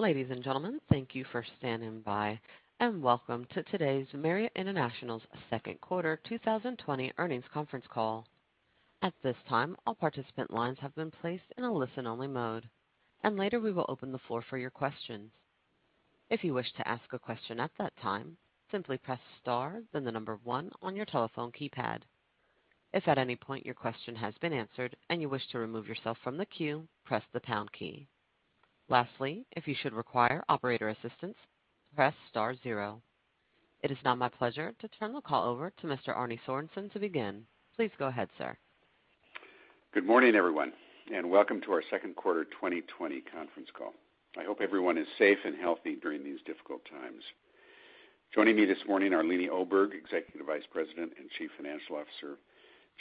Ladies and gentlemen, thank you for standing by, and welcome to today's Marriott International's second quarter 2020 earnings conference call. It is now my pleasure to turn the call over to Mr. Arne Sorenson to begin. Please go ahead, sir. Good morning, everyone, and welcome to our second quarter 2020 conference call. I hope everyone is safe and healthy during these difficult times. Joining me this morning are Leeny Oberg, Executive Vice President and Chief Financial Officer,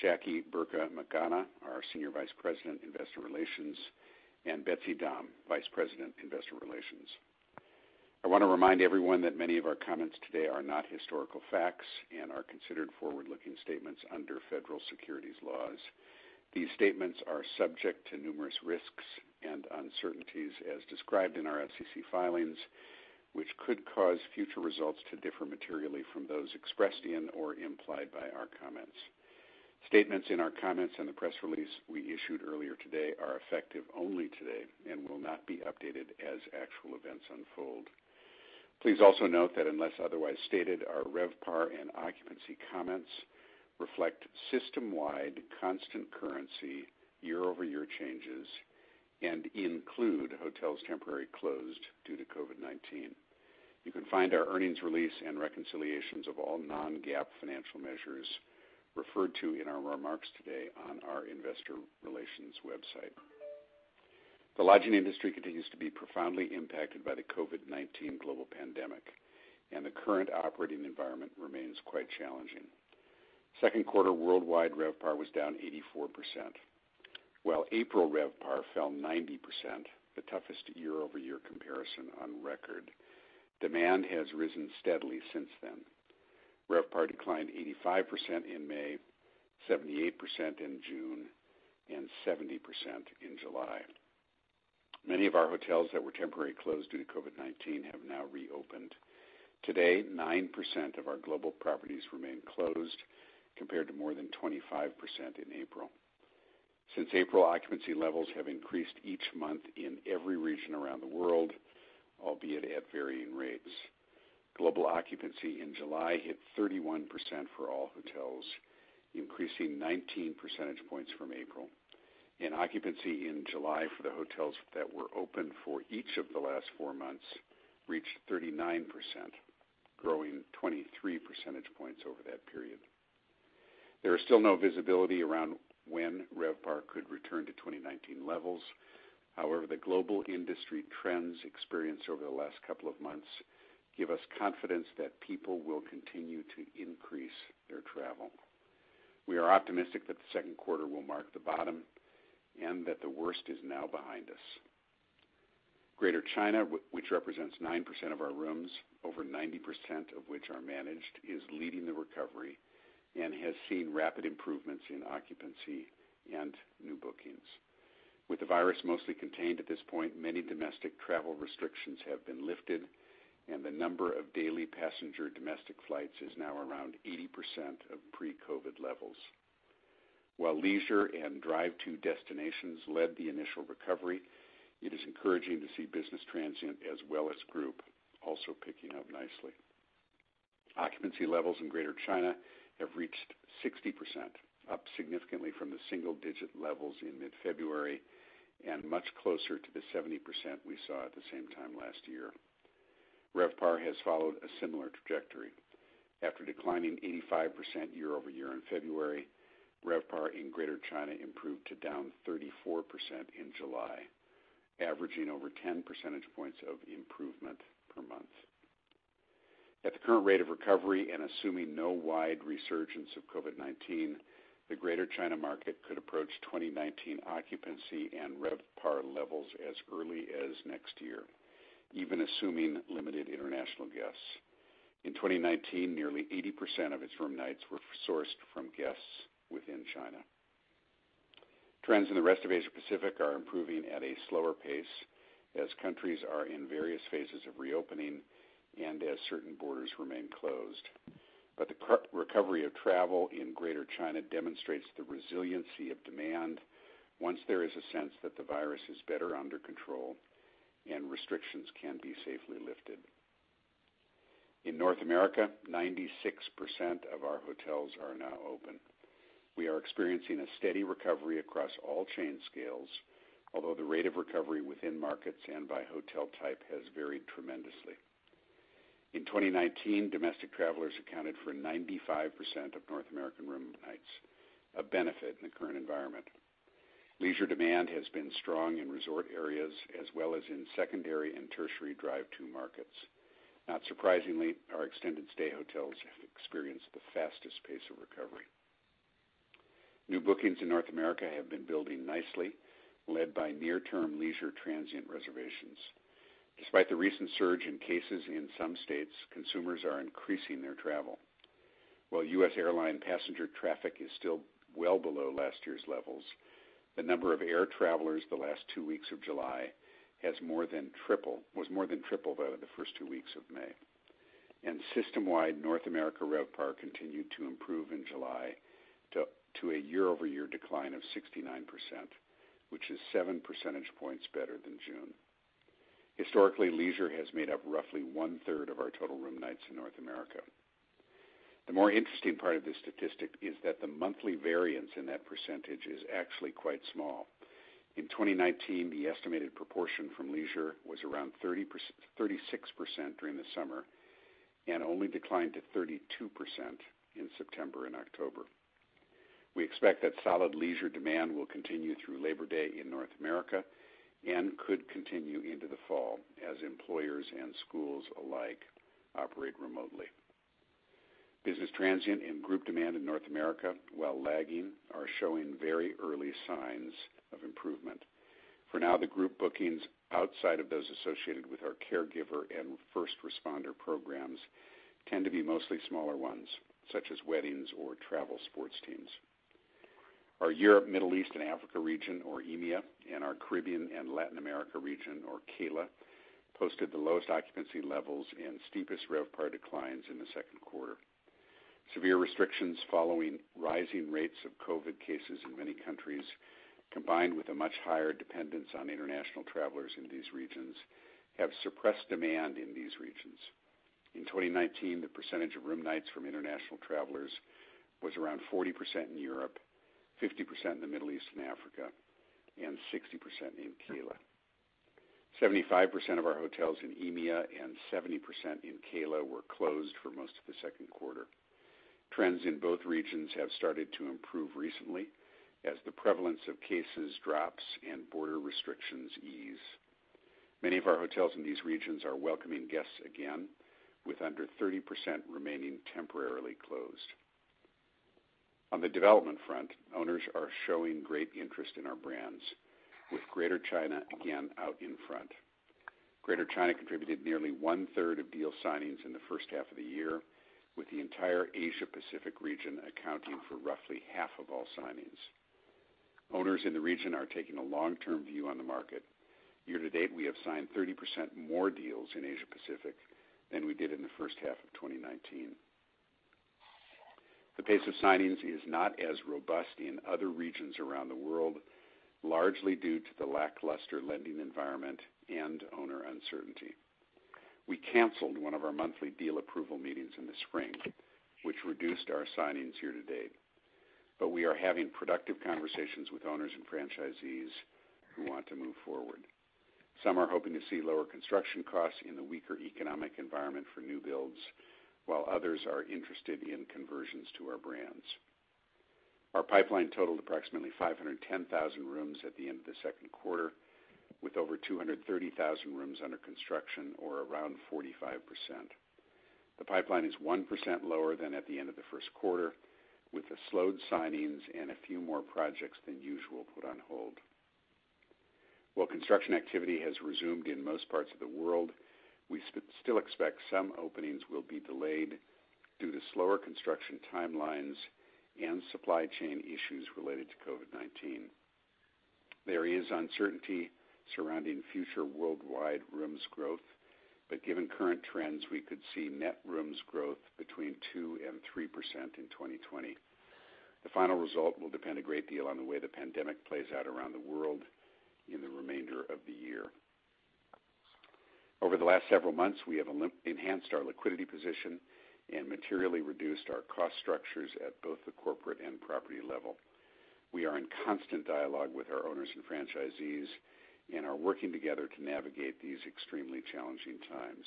Jackie Burka McConagha, our Senior Vice President, Investor Relations, and Betsy Dahm, Vice President, Investor Relations. I want to remind everyone that many of our comments today are not historical facts and are considered forward-looking statements under federal securities laws. These statements are subject to numerous risks and uncertainties as described in our SEC filings, which could cause future results to differ materially from those expressed in or implied by our comments. Statements in our comments and the press release we issued earlier today are effective only today and will not be updated as actual events unfold. Please also note that unless otherwise stated, our RevPAR and occupancy comments reflect system-wide constant currency year-over-year changes and include hotels temporarily closed due to COVID-19. You can find our earnings release and reconciliations of all non-GAAP financial measures referred to in our remarks today on our investor relations website. The lodging industry continues to be profoundly impacted by the COVID-19 global pandemic, and the current operating environment remains quite challenging. Second quarter worldwide RevPAR was down 84%, while April RevPAR fell 90%, the toughest year-over-year comparison on record. Demand has risen steadily since then. RevPAR declined 85% in May, 78% in June, and 70% in July. Many of our hotels that were temporarily closed due to COVID-19 have now reopened. Today, 9% of our global properties remain closed, compared to more than 25% in April. Since April, occupancy levels have increased each month in every region around the world, albeit at varying rates. Global occupancy in July hit 31% for all hotels, increasing 19 percentage points from April, and occupancy in July for the hotels that were open for each of the last four months reached 39%, growing 23 percentage points over that period. There is still no visibility around when RevPAR could return to 2019 levels. However, the global industry trends experienced over the last couple of months give us confidence that people will continue to increase their travel. We are optimistic that the second quarter will mark the bottom and that the worst is now behind us. Greater China, which represents 9% of our rooms, over 90% of which are managed, is leading the recovery and has seen rapid improvements in occupancy and new bookings. With the virus mostly contained at this point, many domestic travel restrictions have been lifted, and the number of daily passenger domestic flights is now around 80% of pre-COVID levels. While leisure and drive to destinations led the initial recovery, it is encouraging to see business transient as well as group also picking up nicely. Occupancy levels in Greater China have reached 60%, up significantly from the single-digit levels in mid-February and much closer to the 70% we saw at the same time last year. RevPAR has followed a similar trajectory. After declining 85% year-over-year in February, RevPAR in Greater China improved to down 34% in July, averaging over 10 percentage points of improvement per month. At the current rate of recovery and assuming no wide resurgence of COVID-19, the Greater China market could approach 2019 occupancy and RevPAR levels as early as next year, even assuming limited international guests. In 2019, nearly 80% of its room nights were sourced from guests within China. Trends in the rest of Asia Pacific are improving at a slower pace as countries are in various phases of reopening and as certain borders remain closed. The recovery of travel in Greater China demonstrates the resiliency of demand once there is a sense that the virus is better under control and restrictions can be safely lifted. In North America, 96% of our hotels are now open. We are experiencing a steady recovery across all chain scales, although the rate of recovery within markets and by hotel type has varied tremendously. In 2019, domestic travelers accounted for 95% of North American room nights, a benefit in the current environment. Leisure demand has been strong in resort areas as well as in secondary and tertiary drive to markets. Not surprisingly, our extended stay hotels have experienced the fastest pace of recovery. New bookings in North America have been building nicely, led by near-term leisure transient reservations. Despite the recent surge in cases in some states, consumers are increasing their travel. While U.S. airline passenger traffic is still well below last year's levels, the number of air travelers the last two weeks of July was more than triple that of the first two weeks of May. System-wide North America RevPAR continued to improve in July to a year-over-year decline of 69%, which is seven percentage points better than June. Historically, leisure has made up roughly one-third of our total room nights in North America. The more interesting part of this statistic is that the monthly variance in that percentage is actually quite small. In 2019, the estimated proportion from leisure was around 36% during the summer and only declined to 32% in September and October. We expect that solid leisure demand will continue through Labor Day in North America and could continue into the fall as employers and schools alike operate remotely. Business transient and group demand in North America, while lagging, are showing very early signs of improvement. For now, the group bookings outside of those associated with our caregiver and first responder programs tend to be mostly smaller ones, such as weddings or travel sports teams. Our Europe, Middle East, and Africa region, or EMEA, and our Caribbean and Latin America region, or CALA, posted the lowest occupancy levels and steepest RevPAR declines in the second quarter. Severe restrictions following rising rates of COVID-19 cases in many countries, combined with a much higher dependence on international travelers in these regions, have suppressed demand in these regions. In 2019, the percentage of room nights from international travelers was around 40% in Europe, 50% in the Middle East and Africa, and 60% in CALA. 75% of our hotels in EMEA and 70% in CALA were closed for most of the second quarter. Trends in both regions have started to improve recently as the prevalence of cases drops and border restrictions ease. Many of our hotels in these regions are welcoming guests again, with under 30% remaining temporarily closed. On the development front, owners are showing great interest in our brands, with Greater China again out in front. Greater China contributed nearly one-third of deal signings in the first half of the year, with the entire Asia-Pacific region accounting for roughly half of all signings. Owners in the region are taking a long-term view on the market. Year to date, we have signed 30% more deals in Asia-Pacific than we did in the first half of 2019. The pace of signings is not as robust in other regions around the world, largely due to the lackluster lending environment and owner uncertainty. We canceled one of our monthly deal approval meetings in the spring, which reduced our signings year to date, but we are having productive conversations with owners and franchisees who want to move forward. Some are hoping to see lower construction costs in the weaker economic environment for new builds, while others are interested in conversions to our brands. Our pipeline totaled approximately 510,000 rooms at the end of the second quarter, with over 230,000 rooms under construction, or around 45%. The pipeline is 1% lower than at the end of the first quarter, with the slowed signings and a few more projects than usual put on hold. While construction activity has resumed in most parts of the world, we still expect some openings will be delayed due to slower construction timelines and supply chain issues related to COVID-19. There is uncertainty surrounding future worldwide rooms growth, but given current trends, we could see net rooms growth between 2% and 3% in 2020. The final result will depend a great deal on the way the pandemic plays out around the world in the remainder of the year. Over the last several months, we have enhanced our liquidity position and materially reduced our cost structures at both the corporate and property level. We are in constant dialogue with our owners and franchisees and are working together to navigate these extremely challenging times.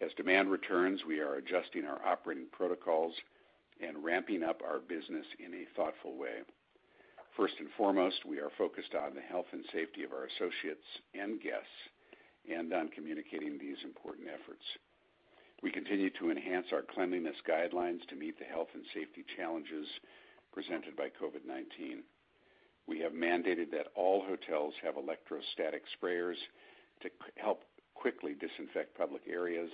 As demand returns, we are adjusting our operating protocols and ramping up our business in a thoughtful way. First and foremost, we are focused on the health and safety of our associates and guests and on communicating these important efforts. We continue to enhance our cleanliness guidelines to meet the health and safety challenges presented by COVID-19. We have mandated that all hotels have electrostatic sprayers to help quickly disinfect public areas,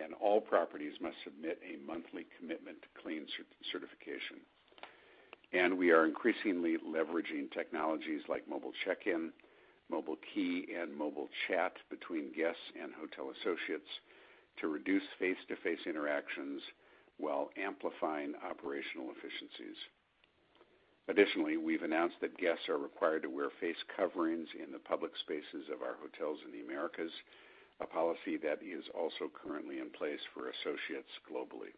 and all properties must submit a monthly commitment to clean certification. We are increasingly leveraging technologies like mobile check-in, mobile key, and mobile chat between guests and hotel associates to reduce face-to-face interactions while amplifying operational efficiencies. Additionally, we've announced that guests are required to wear face coverings in the public spaces of our hotels in the Americas, a policy that is also currently in place for associates globally.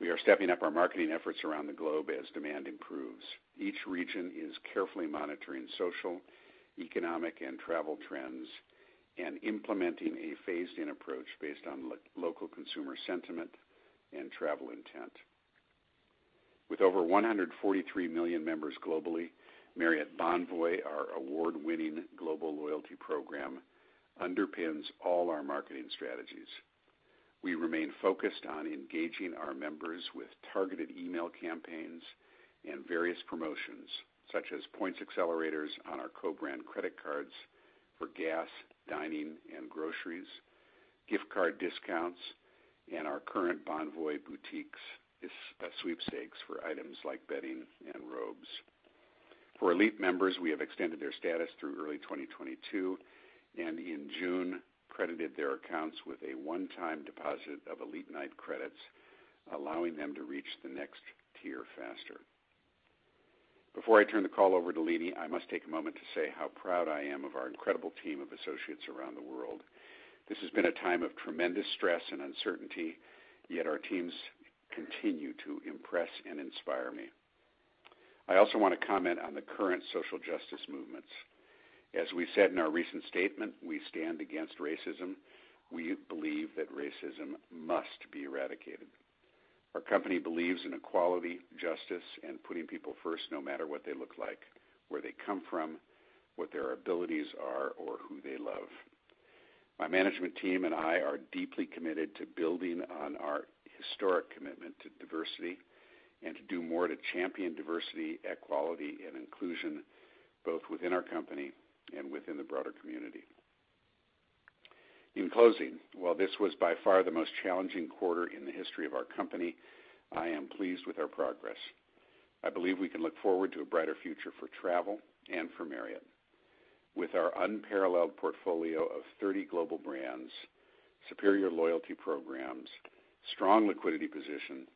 We are stepping up our marketing efforts around the globe as demand improves. Each region is carefully monitoring social, economic, and travel trends and implementing a phased-in approach based on local consumer sentiment and travel intent. With over 143 million members globally, Marriott Bonvoy, our award-winning global loyalty program, underpins all our marketing strategies. We remain focused on engaging our members with targeted email campaigns and various promotions such as points accelerators on our co-branded credit cards for gas, dining, and groceries, gift card discounts, and our current Marriott Bonvoy Boutiques sweepstakes for items like bedding and robes. For Elite members, we have extended their status through early 2022, and in June, credited their accounts with a one-time deposit of Elite night credits, allowing them to reach the next tier faster. Before I turn the call over to Leeny, I must take a moment to say how proud I am of our incredible team of associates around the world. This has been a time of tremendous stress and uncertainty, yet our teams continue to impress and inspire me. I also want to comment on the current social justice movements. As we said in our recent statement, we stand against racism. We believe that racism must be eradicated. Our company believes in equality, justice, and putting people first, no matter what they look like, where they come from, what their abilities are, or who they love. My management team and I are deeply committed to building on our historic commitment to diversity and to do more to champion diversity, equality, and inclusion, both within our company and within the broader community. In closing, while this was by far the most challenging quarter in the history of our company, I am pleased with our progress. I believe we can look forward to a brighter future for travel and for Marriott. With our unparalleled portfolio of 30 global brands, superior loyalty programs, strong liquidity position,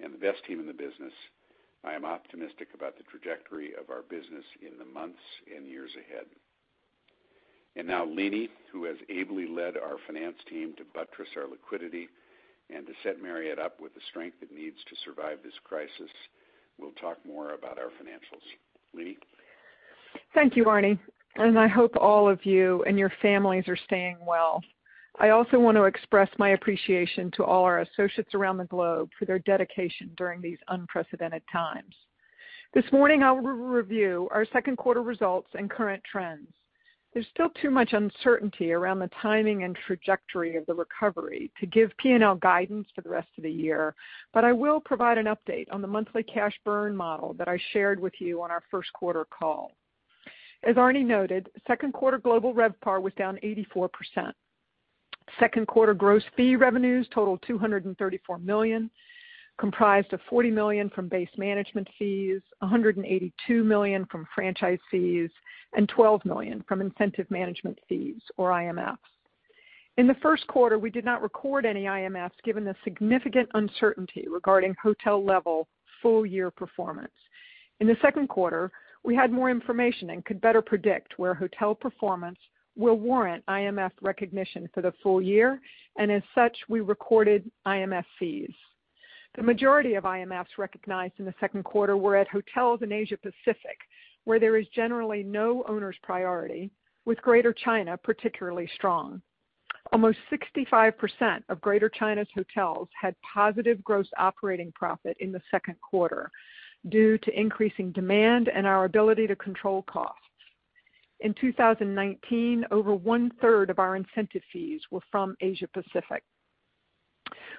and the best team in the business, I am optimistic about the trajectory of our business in the months and years ahead. Now Leeny, who has ably led our finance team to buttress our liquidity and to set Marriott up with the strength it needs to survive this crisis, will talk more about our financials. Leeny? Thank you, Arne. I hope all of you and your families are staying well. I also want to express my appreciation to all our associates around the globe for their dedication during these unprecedented times. This morning, I will review our second quarter results and current trends. There's still too much uncertainty around the timing and trajectory of the recovery to give P&L guidance for the rest of the year. I will provide an update on the monthly cash burn model that I shared with you on our first quarter call. As Arne noted, second quarter global RevPAR was down 84%. Second quarter gross fee revenues totaled $234 million, comprised of $40 million from base management fees, $182 million from franchise fees, and $12 million from incentive management fees, or IMFs. In the first quarter, we did not record any IMFs given the significant uncertainty regarding hotel level full year performance. In the second quarter, we had more information and could better predict where hotel performance will warrant IMF recognition for the full year, and as such, we recorded IMF fees. The majority of IMFs recognized in the second quarter were at hotels in Asia Pacific, where there is generally no owner's priority, with Greater China particularly strong. Almost 65% of Greater China's hotels had positive gross operating profit in the second quarter due to increasing demand and our ability to control costs. In 2019, over one-third of our incentive fees were from Asia Pacific.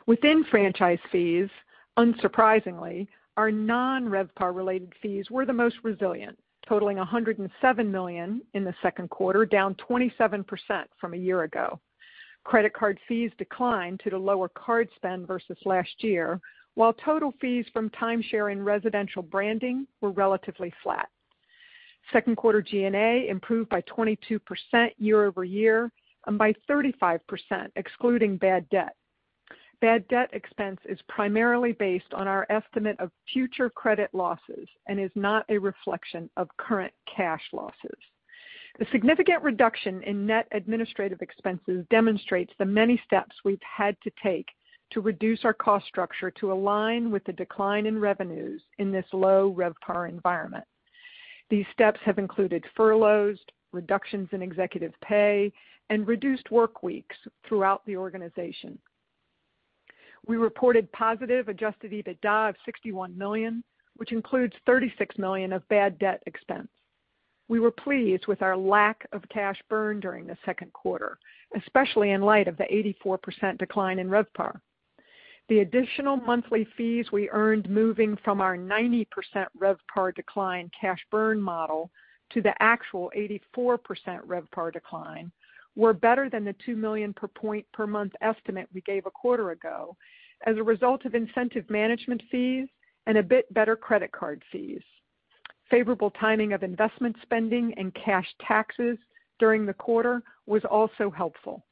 Within franchise fees, unsurprisingly, our non-RevPAR related fees were the most resilient, totaling $107 million in the second quarter, down 27% from a year ago. Credit card fees declined due to lower card spend versus last year, while total fees from timeshare and residential branding were relatively flat. Second quarter G&A improved by 22% year-over-year and by 35% excluding bad debt. Bad debt expense is primarily based on our estimate of future credit losses and is not a reflection of current cash losses. The significant reduction in net administrative expenses demonstrates the many steps we've had to take to reduce our cost structure to align with the decline in revenues in this low-RevPAR environment. These steps have included furloughs, reductions in executive pay, and reduced workweeks throughout the organization. We reported positive adjusted EBITDA of $61 million, which includes $36 million of bad debt expense. We were pleased with our lack of cash burn during the second quarter, especially in light of the 84% decline in RevPAR. The additional monthly fees we earned moving from our 90% RevPAR decline cash burn model to the actual 84% RevPAR decline were better than the $2 million per point per month estimate we gave a quarter ago as a result of incentive management fees and a bit better credit card fees. Favorable timing of investment spending and cash taxes during the quarter was also helpful.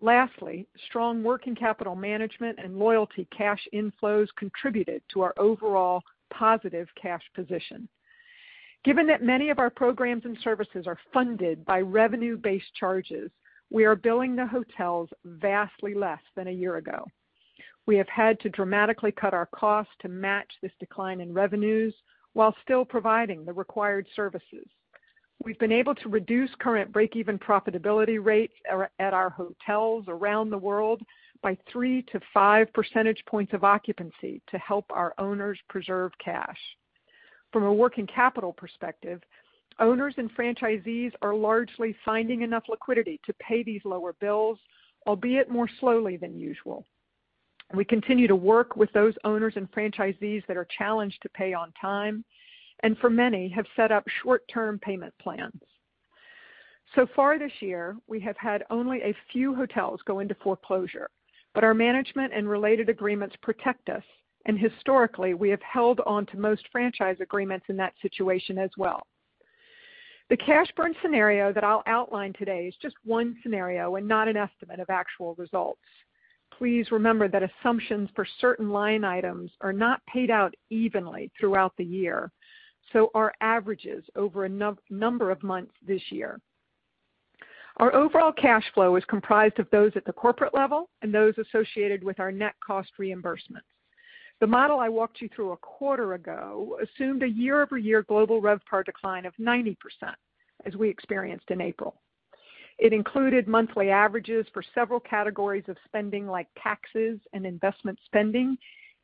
Lastly, strong working capital management and loyalty cash inflows contributed to our overall positive cash position. Given that many of our programs and services are funded by revenue-based charges, we are billing the hotels vastly less than a year ago. We have had to dramatically cut our costs to match this decline in revenues while still providing the required services. We've been able to reduce current break-even profitability rates at our hotels around the world by three to five percentage points of occupancy to help our owners preserve cash. From a working capital perspective, owners and franchisees are largely finding enough liquidity to pay these lower bills, albeit more slowly than usual. We continue to work with those owners and franchisees that are challenged to pay on time, and for many, have set up short-term payment plans. Far this year, we have had only a few hotels go into foreclosure, but our management and related agreements protect us, and historically, we have held on to most franchise agreements in that situation as well. The cash burn scenario that I'll outline today is just one scenario and not an estimate of actual results. Please remember that assumptions for certain line items are not paid out evenly throughout the year, so are averages over a number of months this year. Our overall cash flow is comprised of those at the corporate level and those associated with our net cost reimbursements. The model I walked you through a quarter ago assumed a year-over-year global RevPAR decline of 90%, as we experienced in April. It included monthly averages for several categories of spending, like taxes and investment spending,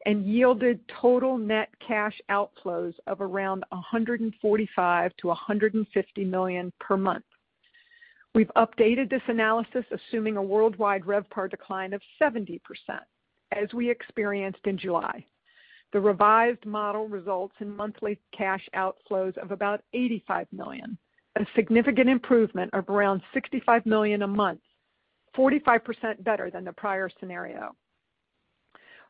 and yielded total net cash outflows of around $145 million-$150 million per month. We've updated this analysis assuming a worldwide RevPAR decline of 70%, as we experienced in July. The revised model results in monthly cash outflows of about $85 million, a significant improvement of around $65 million a month, 45% better than the prior scenario.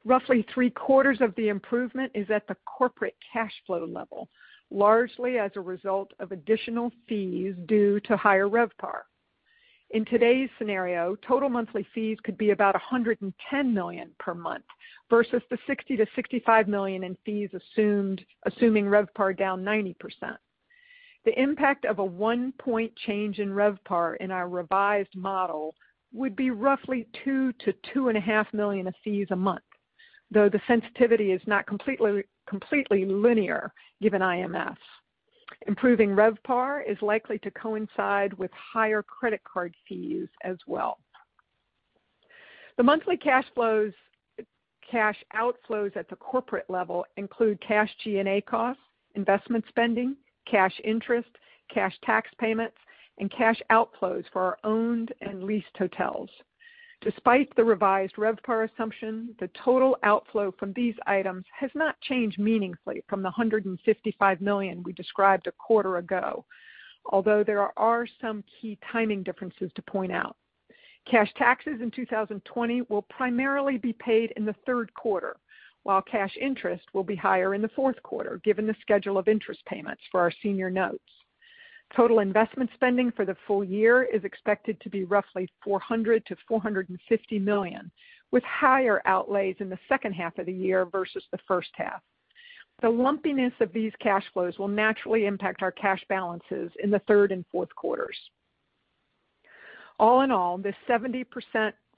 Roughly three-quarters of the improvement is at the corporate cash flow level, largely as a result of additional fees due to higher RevPAR. In today's scenario, total monthly fees could be about $110 million per month versus the $60 million-$65 million in fees assuming RevPAR down 90%. The impact of a one point change in RevPAR in our revised model would be roughly two to two and a half million of fees a month, though the sensitivity is not completely linear, given IMFs. Improving RevPAR is likely to coincide with higher credit card fees as well. The monthly cash outflows at the corporate level include cash G&A costs, investment spending, cash interest, cash tax payments, and cash outflows for our owned and leased hotels. Despite the revised RevPAR assumption, the total outflow from these items has not changed meaningfully from the $155 million we described a quarter ago, although there are some key timing differences to point out. Cash taxes in 2020 will primarily be paid in the third quarter, while cash interest will be higher in the fourth quarter, given the schedule of interest payments for our senior notes. Total investment spending for the full year is expected to be roughly $400 million-$450 million, with higher outlays in the second half of the year versus the first half. The lumpiness of these cash flows will naturally impact our cash balances in the third and fourth quarters. All in all, the 70%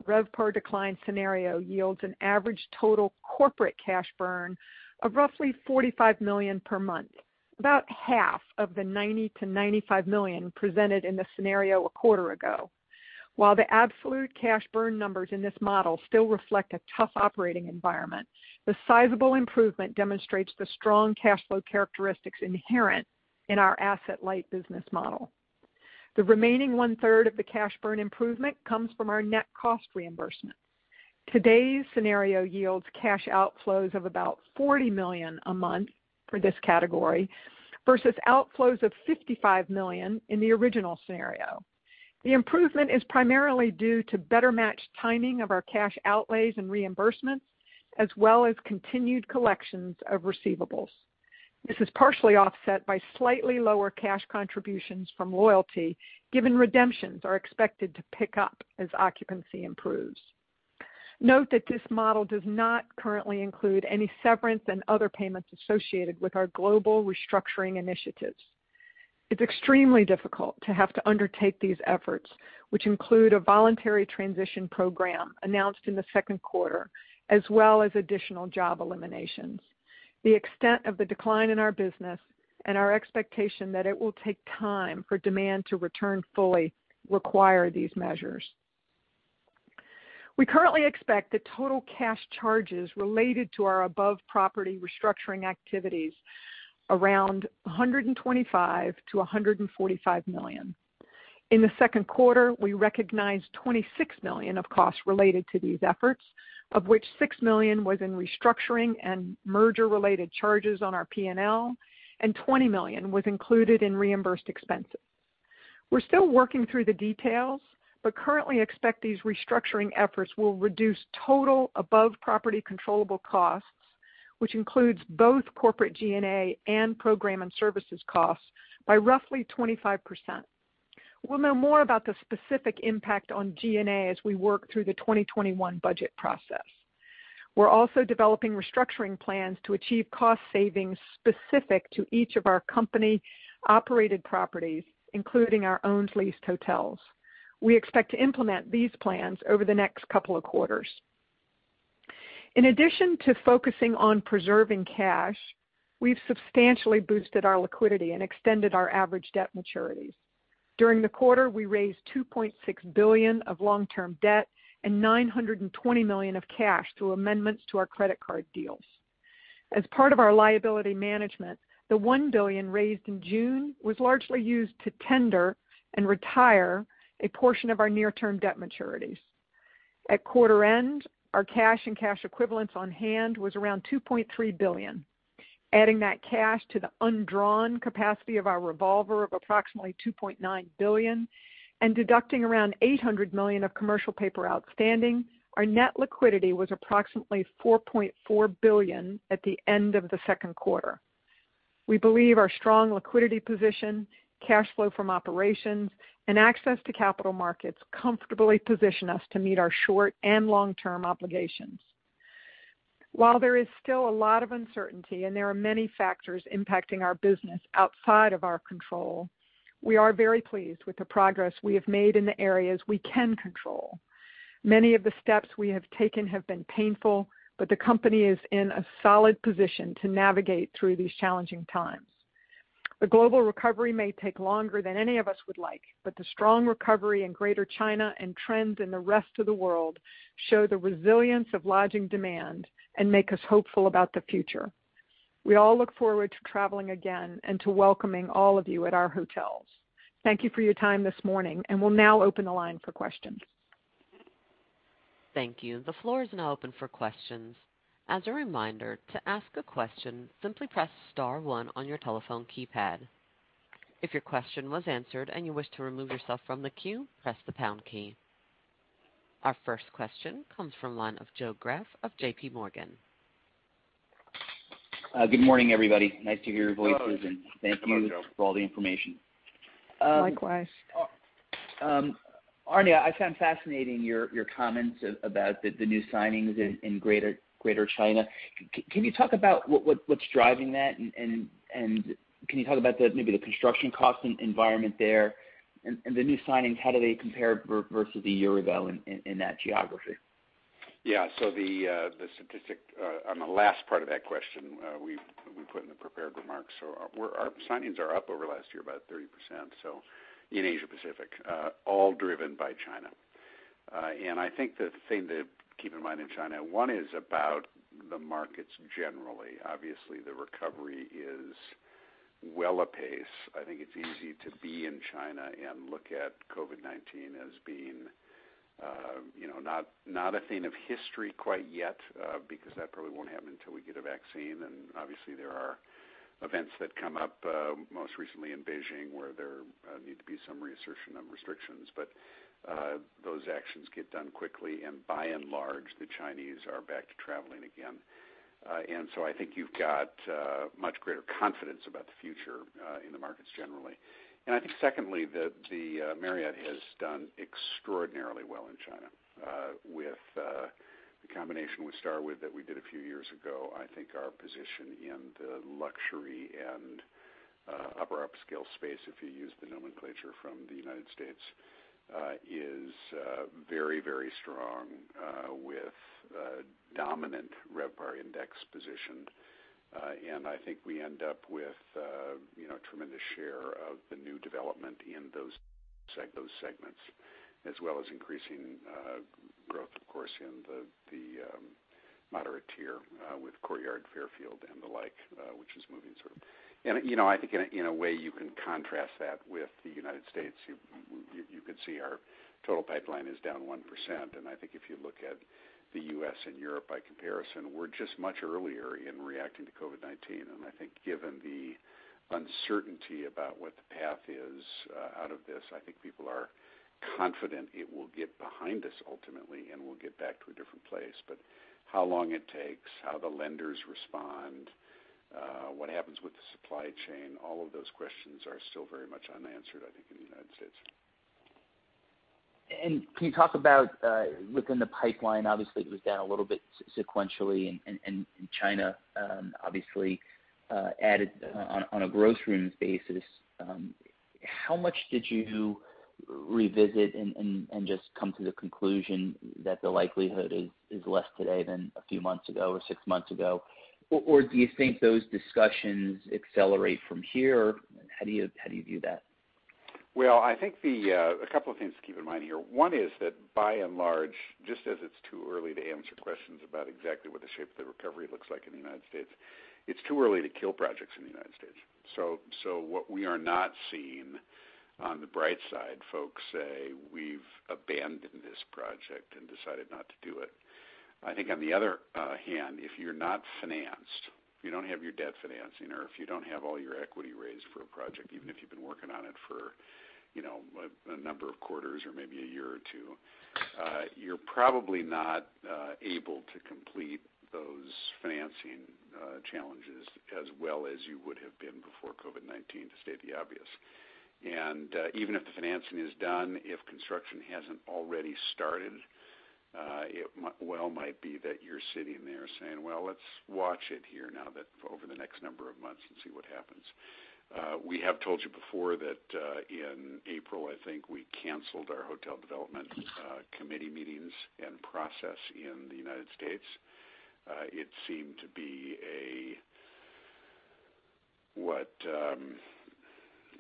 RevPAR decline scenario yields an average total corporate cash burn of roughly $45 million per month, about half of the $90 million-$95 million presented in the scenario a quarter ago. While the absolute cash burn numbers in this model still reflect a tough operating environment, the sizable improvement demonstrates the strong cash flow characteristics inherent in our asset-light business model. The remaining one-third of the cash burn improvement comes from our net cost reimbursement. Today's scenario yields cash outflows of about $40 million a month for this category versus outflows of $55 million in the original scenario. The improvement is primarily due to better match timing of our cash outlays and reimbursements, as well as continued collections of receivables. This is partially offset by slightly lower cash contributions from loyalty, given redemptions are expected to pick up as occupancy improves. Note that this model does not currently include any severance and other payments associated with our global restructuring initiatives. It's extremely difficult to have to undertake these efforts, which include a voluntary transition program announced in the second quarter, as well as additional job eliminations. The extent of the decline in our business and our expectation that it will take time for demand to return fully require these measures. We currently expect that total cash charges related to our above property restructuring activities around $125 million to $145 million. In the second quarter, we recognized $26 million of costs related to these efforts, of which $6 million was in restructuring and merger related charges on our P&L, and $20 million was included in reimbursed expenses. We're still working through the details, but currently expect these restructuring efforts will reduce total above property controllable costs, which includes both corporate G&A and program and services costs, by roughly 25%. We'll know more about the specific impact on G&A as we work through the 2021 budget process. We're also developing restructuring plans to achieve cost savings specific to each of our company-operated properties, including our owned leased hotels. We expect to implement these plans over the next couple of quarters. In addition to focusing on preserving cash, we've substantially boosted our liquidity and extended our average debt maturities. During the quarter, we raised $2.6 billion of long-term debt and $920 million of cash through amendments to our credit card deals. As part of our liability management, the $1 billion raised in June was largely used to tender and retire a portion of our near-term debt maturities. At quarter end, our cash and cash equivalents on hand was around $2.3 billion. Adding that cash to the undrawn capacity of our revolver of approximately $2.9 billion, and deducting around $800 million of commercial paper outstanding, our net liquidity was approximately $4.4 billion at the end of the second quarter. We believe our strong liquidity position, cash flow from operations, and access to capital markets comfortably position us to meet our short and long-term obligations. While there is still a lot of uncertainty and there are many factors impacting our business outside of our control, we are very pleased with the progress we have made in the areas we can control. Many of the steps we have taken have been painful, but the company is in a solid position to navigate through these challenging times. The global recovery may take longer than any of us would like, but the strong recovery in Greater China and trends in the rest of the world show the resilience of lodging demand and make us hopeful about the future. We all look forward to traveling again and to welcoming all of you at our hotels. Thank you for your time this morning, and we'll now open the line for questions. Thank you. The floor is now open for questions. As a reminder, to ask a question, simply press star one on your telephone keypad. If your question was answered and you wish to remove yourself from the queue, press the pound key. Our first question comes from the line of Joe Greff of JPMorgan. Good morning, everybody. Nice to hear your voices. Hello. Good morning, Joe. Thank you for all the information. Likewise. Arne, I found fascinating your comments about the new signings in Greater China. Can you talk about what's driving that, and can you talk about maybe the construction cost environment there and the new signings, how do they compare versus a year ago in that geography? Yeah. The statistic on the last part of that question we put in the prepared remarks. Our signings are up over last year about 30%, in Asia Pacific, all driven by China. I think the thing to keep in mind in China, one is about the markets generally. Obviously, the recovery is well apace. I think it's easy to be in China and look at COVID-19 as being not a thing of history quite yet, because that probably won't happen until we get a vaccine. Obviously there are events that come up, most recently in Beijing, where there need to be some reassertion of restrictions. Those actions get done quickly, and by and large, the Chinese are back to traveling again. I think you've got much greater confidence about the future in the markets generally. I think secondly, that Marriott has done extraordinarily well in China with the combination with Starwood that we did a few years ago. I think our position in the luxury and upper upscale space, if you use the nomenclature from the U.S., is very strong with dominant RevPAR index position. I think we end up with a tremendous share of the new development in those segments, as well as increasing growth, of course, in the moderate tier with Courtyard, Fairfield, and the like which is moving. I think in a way you can contrast that with the U.S. You could see our total pipeline is down 1%, and I think if you look at the U.S. and Europe by comparison, we're just much earlier in reacting to COVID-19. I think given the uncertainty about what the path is out of this, I think people are confident it will get behind us ultimately, and we'll get back to a different place. How long it takes, how the lenders respond, what happens with the supply chain, all of those questions are still very much unanswered, I think, in the United States. Can you talk about within the pipeline, obviously, it was down a little bit sequentially in China, obviously added on a growth room basis. How much did you revisit and just come to the conclusion that the likelihood is less today than a few months ago or six months ago? Or do you think those discussions accelerate from here? How do you view that? Well, I think a couple of things to keep in mind here. One is that by and large, just as it's too early to answer questions about exactly what the shape of the recovery looks like in the United States, it's too early to kill projects in the United States. What we are not seeing on the bright side, folks say we've abandoned this project and decided not to do it. I think on the other hand, if you're not financed, if you don't have your debt financing or if you don't have all your equity raised for a project, even if you've been working on it for a number of quarters or maybe a year or two, you're probably not able to complete those financing challenges as well as you would have been before COVID-19, to state the obvious. Even if the financing is done, if construction hasn't already started, it well might be that you're sitting there saying, "Well, let's watch it here now over the next number of months and see what happens." We have told you before that in April, I think, we canceled our hotel development committee meetings and process in the U.S. It seemed to be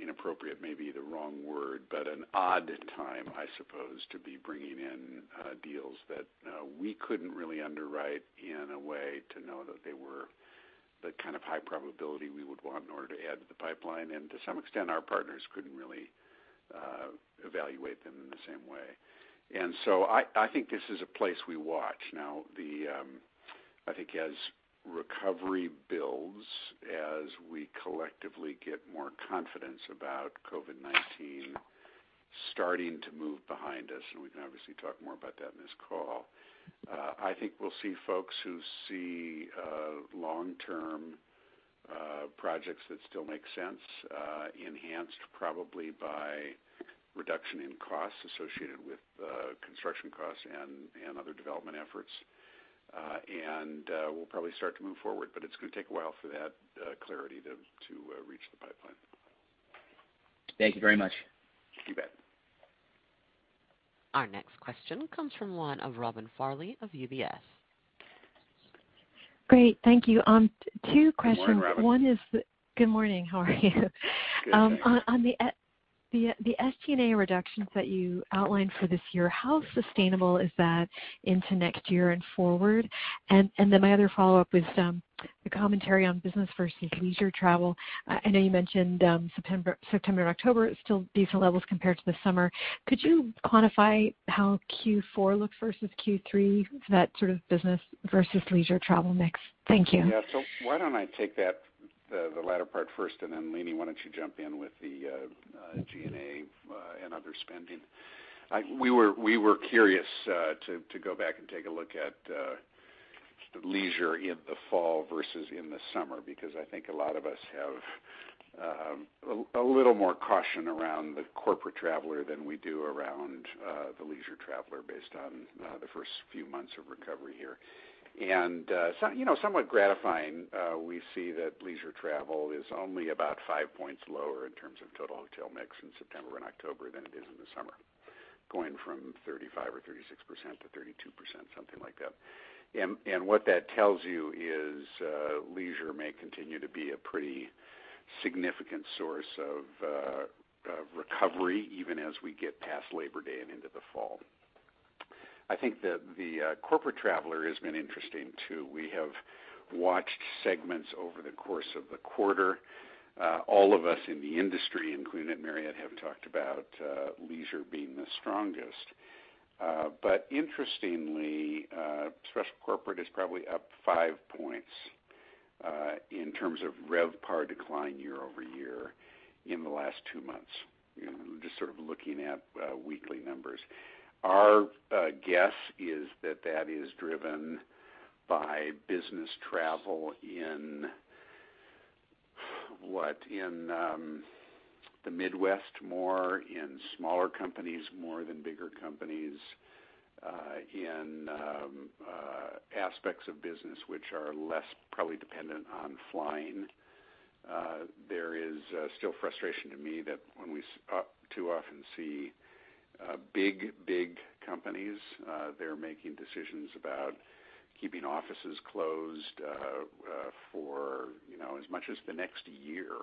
inappropriate may be the wrong word, but an odd time, I suppose, to be bringing in deals that we couldn't really underwrite in a way to know that they were the kind of high probability we would want in order to add to the pipeline. To some extent, our partners couldn't really evaluate them in the same way. I think this is a place we watch now. I think as recovery builds, as we collectively get more confidence about COVID-19 starting to move behind us, and we can obviously talk more about that in this call, I think we'll see folks who see long-term projects that still make sense, enhanced probably by reduction in costs associated with construction costs and other development efforts. We'll probably start to move forward, but it's going to take a while for that clarity to reach the pipeline. Thank you very much. You bet. Our next question comes from one of Robin Farley of UBS. Great. Thank you. Two questions. Good morning, Robin. Good morning. How are you? Good. On the G&A reductions that you outlined for this year, how sustainable is that into next year and forward? My other follow-up is the commentary on business versus leisure travel. I know you mentioned September, October is still decent levels compared to the summer. Could you quantify how Q4 looks versus Q3 for that sort of business versus leisure travel mix? Thank you. Yeah. Why don't I take the latter part first, and then, Leeny, why don't you jump in with the G&A and other spending? We were curious to go back and take a look at leisure in the fall versus in the summer because I think a lot of us have a little more caution around the corporate traveler than we do around the leisure traveler based on the first few months of recovery here. Somewhat gratifying, we see that leisure travel is only about five points lower in terms of total hotel mix in September and October than it is in the summer, going from 35% or 36%-32%, something like that. What that tells you is leisure may continue to be a pretty significant source of recovery even as we get past Labor Day and into the fall. I think the corporate traveler has been interesting, too. We have watched segments over the course of the quarter. All of us in the industry, including at Marriott, have talked about leisure being the strongest. Interestingly, special corporate is probably up five points in terms of RevPAR decline year-over-year in the last two months, just sort of looking at weekly numbers. Our guess is that that is driven by business travel in the Midwest more in smaller companies more than bigger companies, in aspects of business which are less probably dependent on flying. There is still frustration to me that when we too often see big companies, they're making decisions about keeping offices closed for as much as the next year.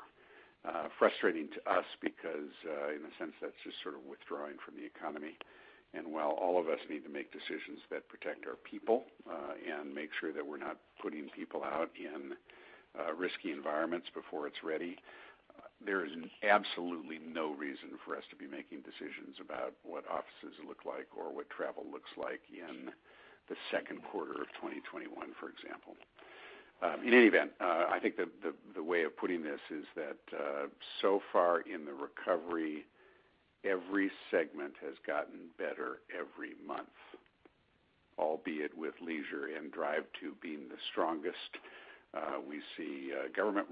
Frustrating to us because, in a sense, that's just sort of withdrawing from the economy. While all of us need to make decisions that protect our people and make sure that we're not putting people out in risky environments before it's ready, there is absolutely no reason for us to be making decisions about what offices look like or what travel looks like in the second quarter of 2021, for example. In any event, I think the way of putting this is that so far in the recovery, every segment has gotten better every month, albeit with leisure and drive to being the strongest. We see government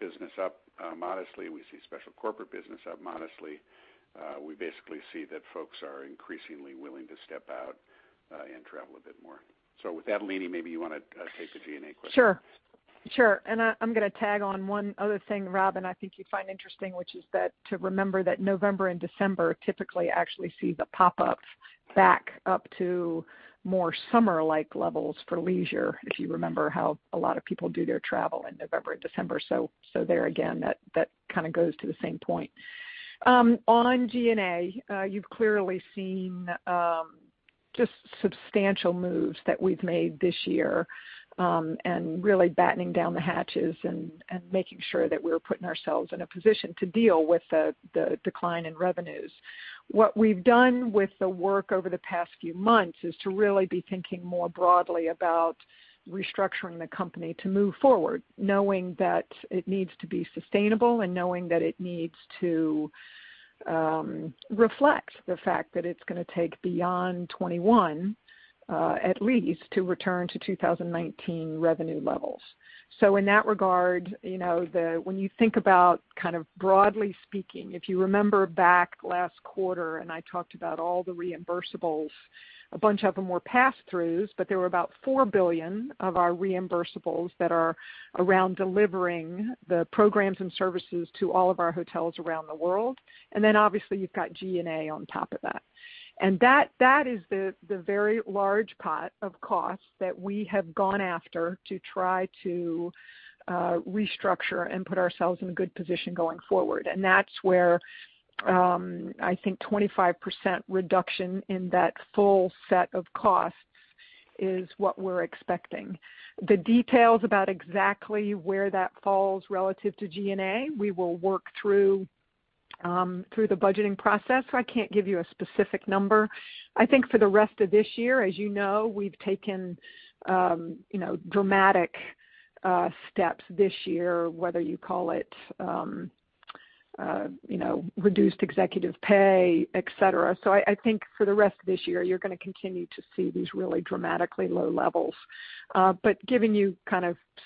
business up modestly. We see special corporate business up modestly. We basically see that folks are increasingly willing to step out and travel a bit more. With that, Leeny, maybe you want to take the G&A question. Sure. I'm going to tag on one other thing, Robin, I think you'd find interesting, which is that to remember that November and December typically actually see the pop-ups back up to more summer-like levels for leisure, if you remember how a lot of people do their travel in November and December. There again, that kind of goes to the same point. On G&A, you've clearly seen just substantial moves that we've made this year, and really battening down the hatches and making sure that we're putting ourselves in a position to deal with the decline in revenues. What we've done with the work over the past few months is to really be thinking more broadly about restructuring the company to move forward, knowing that it needs to be sustainable and knowing that it needs to reflect the fact that it's going to take beyond 2021, at least, to return to 2019 revenue levels. In that regard, when you think about kind of broadly speaking, if you remember back last quarter, I talked about all the reimbursables, a bunch of them were pass-throughs, but there were about $4 billion of our reimbursables that are around delivering the programs and services to all of our hotels around the world, and then obviously you've got G&A on top of that. That is the very large pot of costs that we have gone after to try to restructure and put ourselves in a good position going forward. That's where I think 25% reduction in that full set of costs is what we're expecting. The details about exactly where that falls relative to G&A, we will work through the budgeting process, so I can't give you a specific number. I think for the rest of this year, as you know, we've taken dramatic steps this year, whether you call it reduced executive pay, et cetera. I think for the rest of this year, you're going to continue to see these really dramatically low levels. Giving you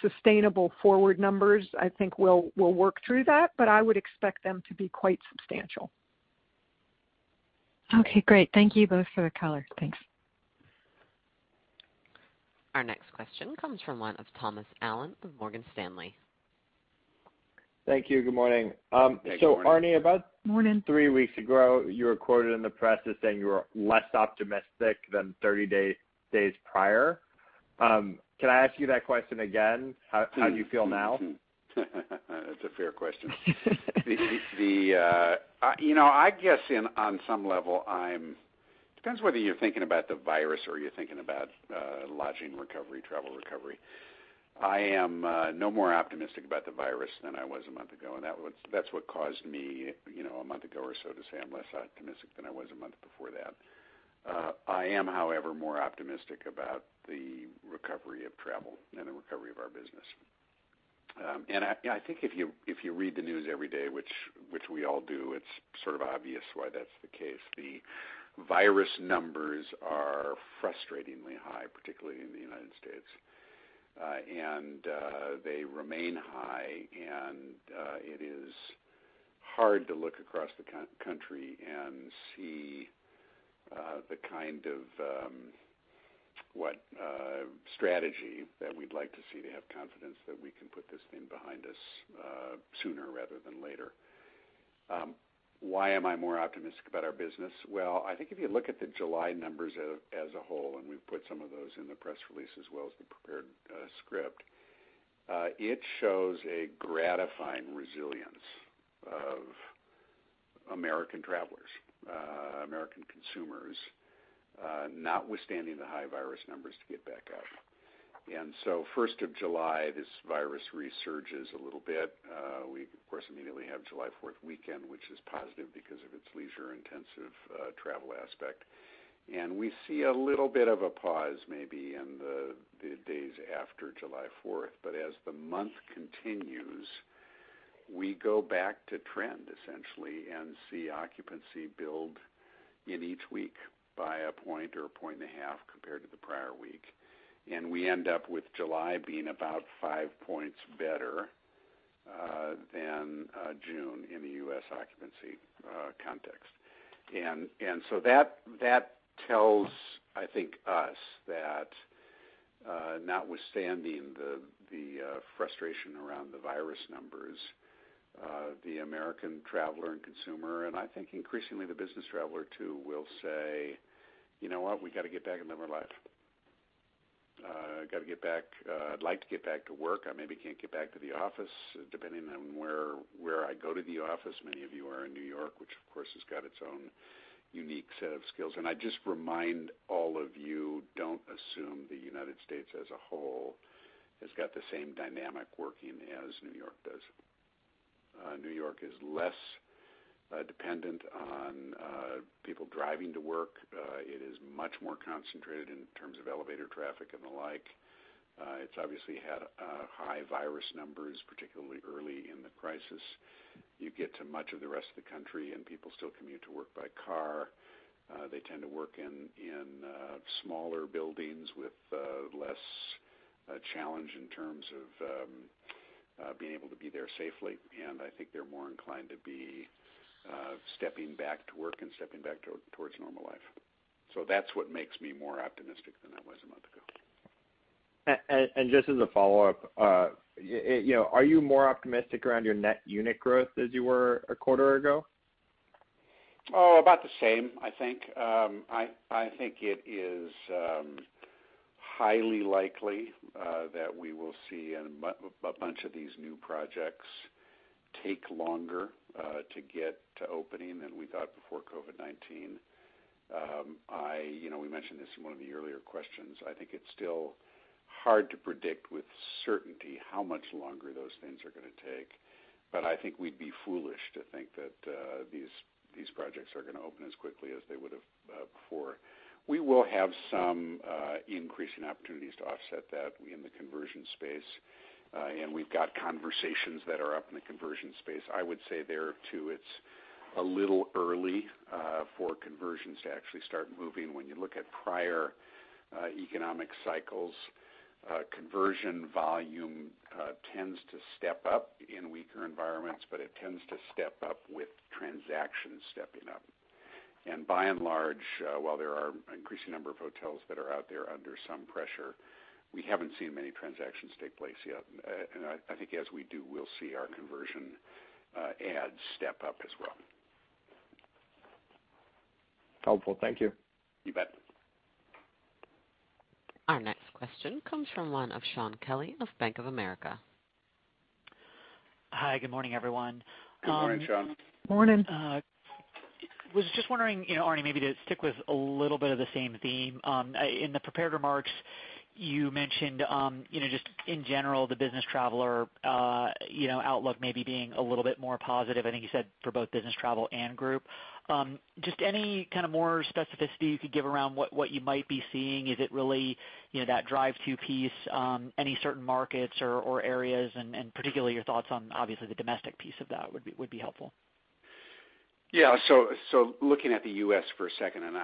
sustainable forward numbers, I think we'll work through that, but I would expect them to be quite substantial. Okay, great. Thank you both for the color. Thanks. Our next question comes from one of Thomas Allen with Morgan Stanley. Thank you. Good morning. Good morning. Arne, Morning Three weeks ago, you were quoted in the press as saying you were less optimistic than 30 days prior. Can I ask you that question again? How do you feel now? That's a fair question. I guess on some level, it depends whether you're thinking about the virus or you're thinking about lodging recovery, travel recovery. I am no more optimistic about the virus than I was a month ago, and that's what caused me, a month ago or so, to say I'm less optimistic than I was a month before that. I am, however, more optimistic about the recovery of travel and the recovery of our business. I think if you read the news every day, which we all do, it's sort of obvious why that's the case. The virus numbers are frustratingly high, particularly in the United States. They remain high, and it is hard to look across the country and see the kind of strategy that we'd like to see to have confidence that we can put this thing behind us sooner rather than later. Why am I more optimistic about our business? Well, I think if you look at the July numbers as a whole, and we've put some of those in the press release, as well as the prepared script, it shows a gratifying resilience of American travelers, American consumers notwithstanding the high virus numbers to get back out there. 1st of July, this virus resurges a little bit. We, of course, immediately have July 4th weekend, which is positive because of its leisure-intensive travel aspect. We see a little bit of a pause maybe in the days after July 4th. As the month continues, we go back to trend essentially and see occupancy build in each week by 1 point or 1.5 points compared to the prior week. We end up with July being about five points better than June in the U.S. occupancy context. That tells, I think, us that notwithstanding the frustration around the virus numbers, the American traveler and consumer, and I think increasingly the business traveler too, will say, "You know what? We got to get back and live our life. I'd like to get back to work. I maybe can't get back to the office, depending on where I go to the office." Many of you are in New York, which of course, has got its own unique set of skills. I just remind all of you, don't assume the United States as a whole has got the same dynamic working as New York does. New York is less dependent on people driving to work. It is much more concentrated in terms of elevator traffic and the like. It's obviously had high virus numbers, particularly early in the crisis. You get to much of the rest of the country, people still commute to work by car. They tend to work in smaller buildings with less challenge in terms of being able to be there safely. I think they're more inclined to be stepping back to work and stepping back towards normal life. That's what makes me more optimistic than I was a month ago. Just as a follow-up, are you more optimistic around your net unit growth as you were a quarter ago? About the same, I think. I think it is highly likely that we will see a bunch of these new projects take longer to get to opening than we thought before COVID-19. We mentioned this in one of the earlier questions. I think it's still hard to predict with certainty how much longer those things are going to take. I think we'd be foolish to think that these projects are going to open as quickly as they would have before. We will have some increase in opportunities to offset that in the conversion space. We've got conversations that are up in the conversion space. I would say there, too, it's a little early for conversions to actually start moving. When you look at prior economic cycles, conversion volume tends to step up in weaker environments, but it tends to step up with transactions stepping up. By and large, while there are an increasing number of hotels that are out there under some pressure, we haven't seen many transactions take place yet. I think as we do, we'll see our conversion adds step up as well. Helpful. Thank you. You bet. Our next question comes from the line of Shaun Kelley of Bank of America. Hi. Good morning, everyone. Good morning, Shaun. Morning. Was just wondering, Arne, maybe to stick with a little bit of the same theme. In the prepared remarks you mentioned, just in general, the business traveler outlook maybe being a little bit more positive, I think you said for both business travel and group. Just any kind of more specificity you could give around what you might be seeing? Is it really that drive to pick any certain markets or areas and particularly your thoughts on obviously the domestic piece of that would be helpful? Yeah. Looking at the U.S. for a second, and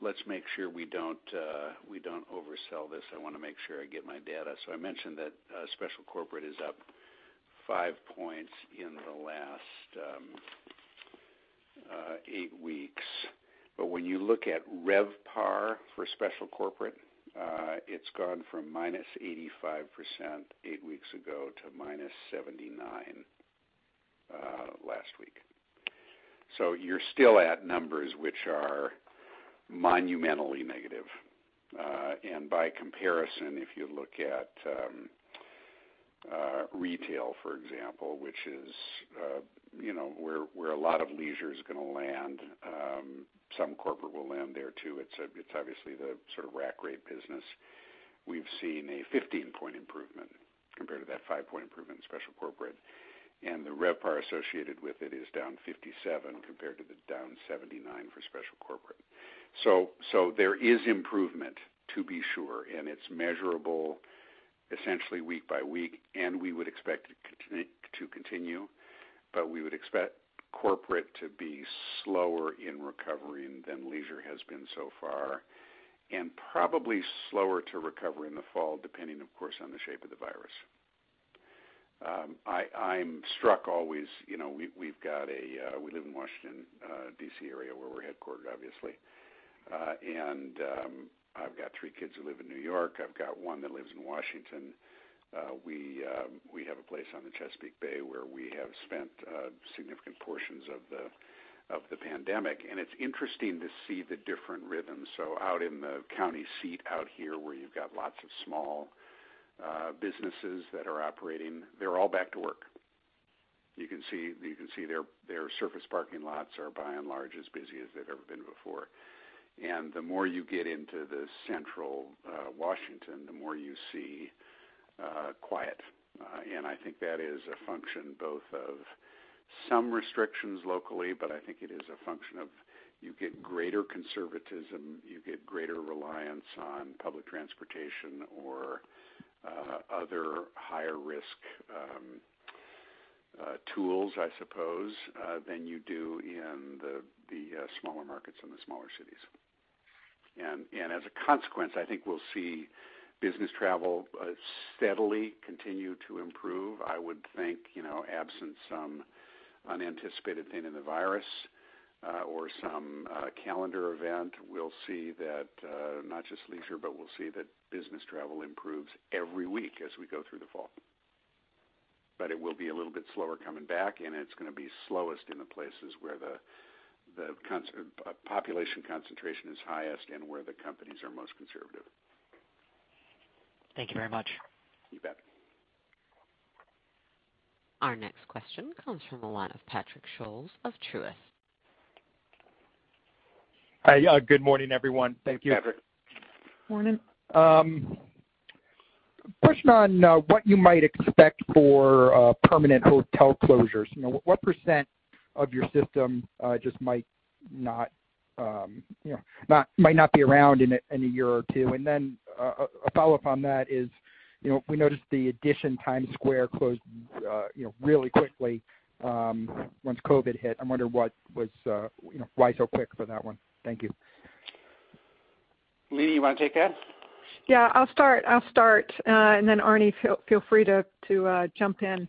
let's make sure we don't oversell this. I want to make sure I get my data. I mentioned that special corporate is up five points in the last eight weeks. When you look at RevPAR for special corporate, it's gone from -85% eight weeks ago to -79% last week. You're still at numbers which are monumentally negative. By comparison, if you look at retail, for example, which is where a lot of leisure is going to land, some corporate will land there too. It's obviously the sort of rack rate business. We've seen a 15 point improvement compared to that 5 point improvement in special corporate. The RevPAR associated with it is down 57% compared to the down 79% for special corporate. There is improvement, to be sure, and it's measurable essentially week by week, and we would expect it to continue. We would expect corporate to be slower in recovering than leisure has been so far, and probably slower to recover in the fall, depending, of course, on the shape of the virus. I'm struck always, we live in Washington, D.C. area, where we're headquartered, obviously. I've got three kids who live in New York. I've got one that lives in Washington. We have a place on the Chesapeake Bay where we have spent significant portions of the pandemic, and it's interesting to see the different rhythms. Out in the county seat out here, where you've got lots of small businesses that are operating, they're all back to work. You can see their surface parking lots are by and large as busy as they've ever been before. The more you get into the central Washington, the more you see quiet. I think that is a function both of some restrictions locally, but I think it is a function of you get greater conservatism, you get greater reliance on public transportation or other higher risk tools, I suppose, than you do in the smaller markets and the smaller cities. As a consequence, I think we'll see business travel steadily continue to improve. I would think, absent some unanticipated thing in the virus or some calendar event, we'll see that not just leisure, but we'll see that business travel improves every week as we go through the fall. It will be a little bit slower coming back, and it's going to be slowest in the places where the population concentration is highest and where the companies are most conservative. Thank you very much. You bet. Our next question comes from the line of Patrick Scholes of Truist. Hi. Good morning, everyone. Thank you. Patrick. Morning. Question on what you might expect for permanent hotel closures. What percent of your system just might not be around in a year or two? A follow-up on that is, we noticed the EDITION Times Square closed really quickly once COVID-19 hit. I wonder why so quick for that one? Thank you. Leeny, you want to take that? Yeah, I'll start, and then Arne, feel free to jump in.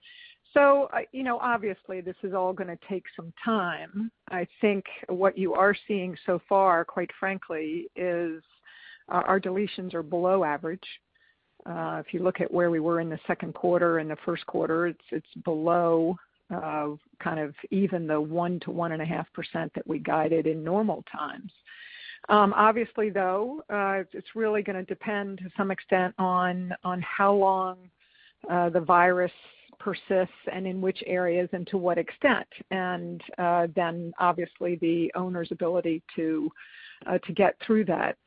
Obviously, this is all going to take some time. I think what you are seeing so far, quite frankly, is our deletions are below average. If you look at where we were in the second quarter and the first quarter, it's below kind of even the 1%-1.5% that we guided in normal times. Obviously, though, it's really going to depend to some extent on how long the virus persists and in which areas and to what extent, and then obviously the owner's ability to get through that.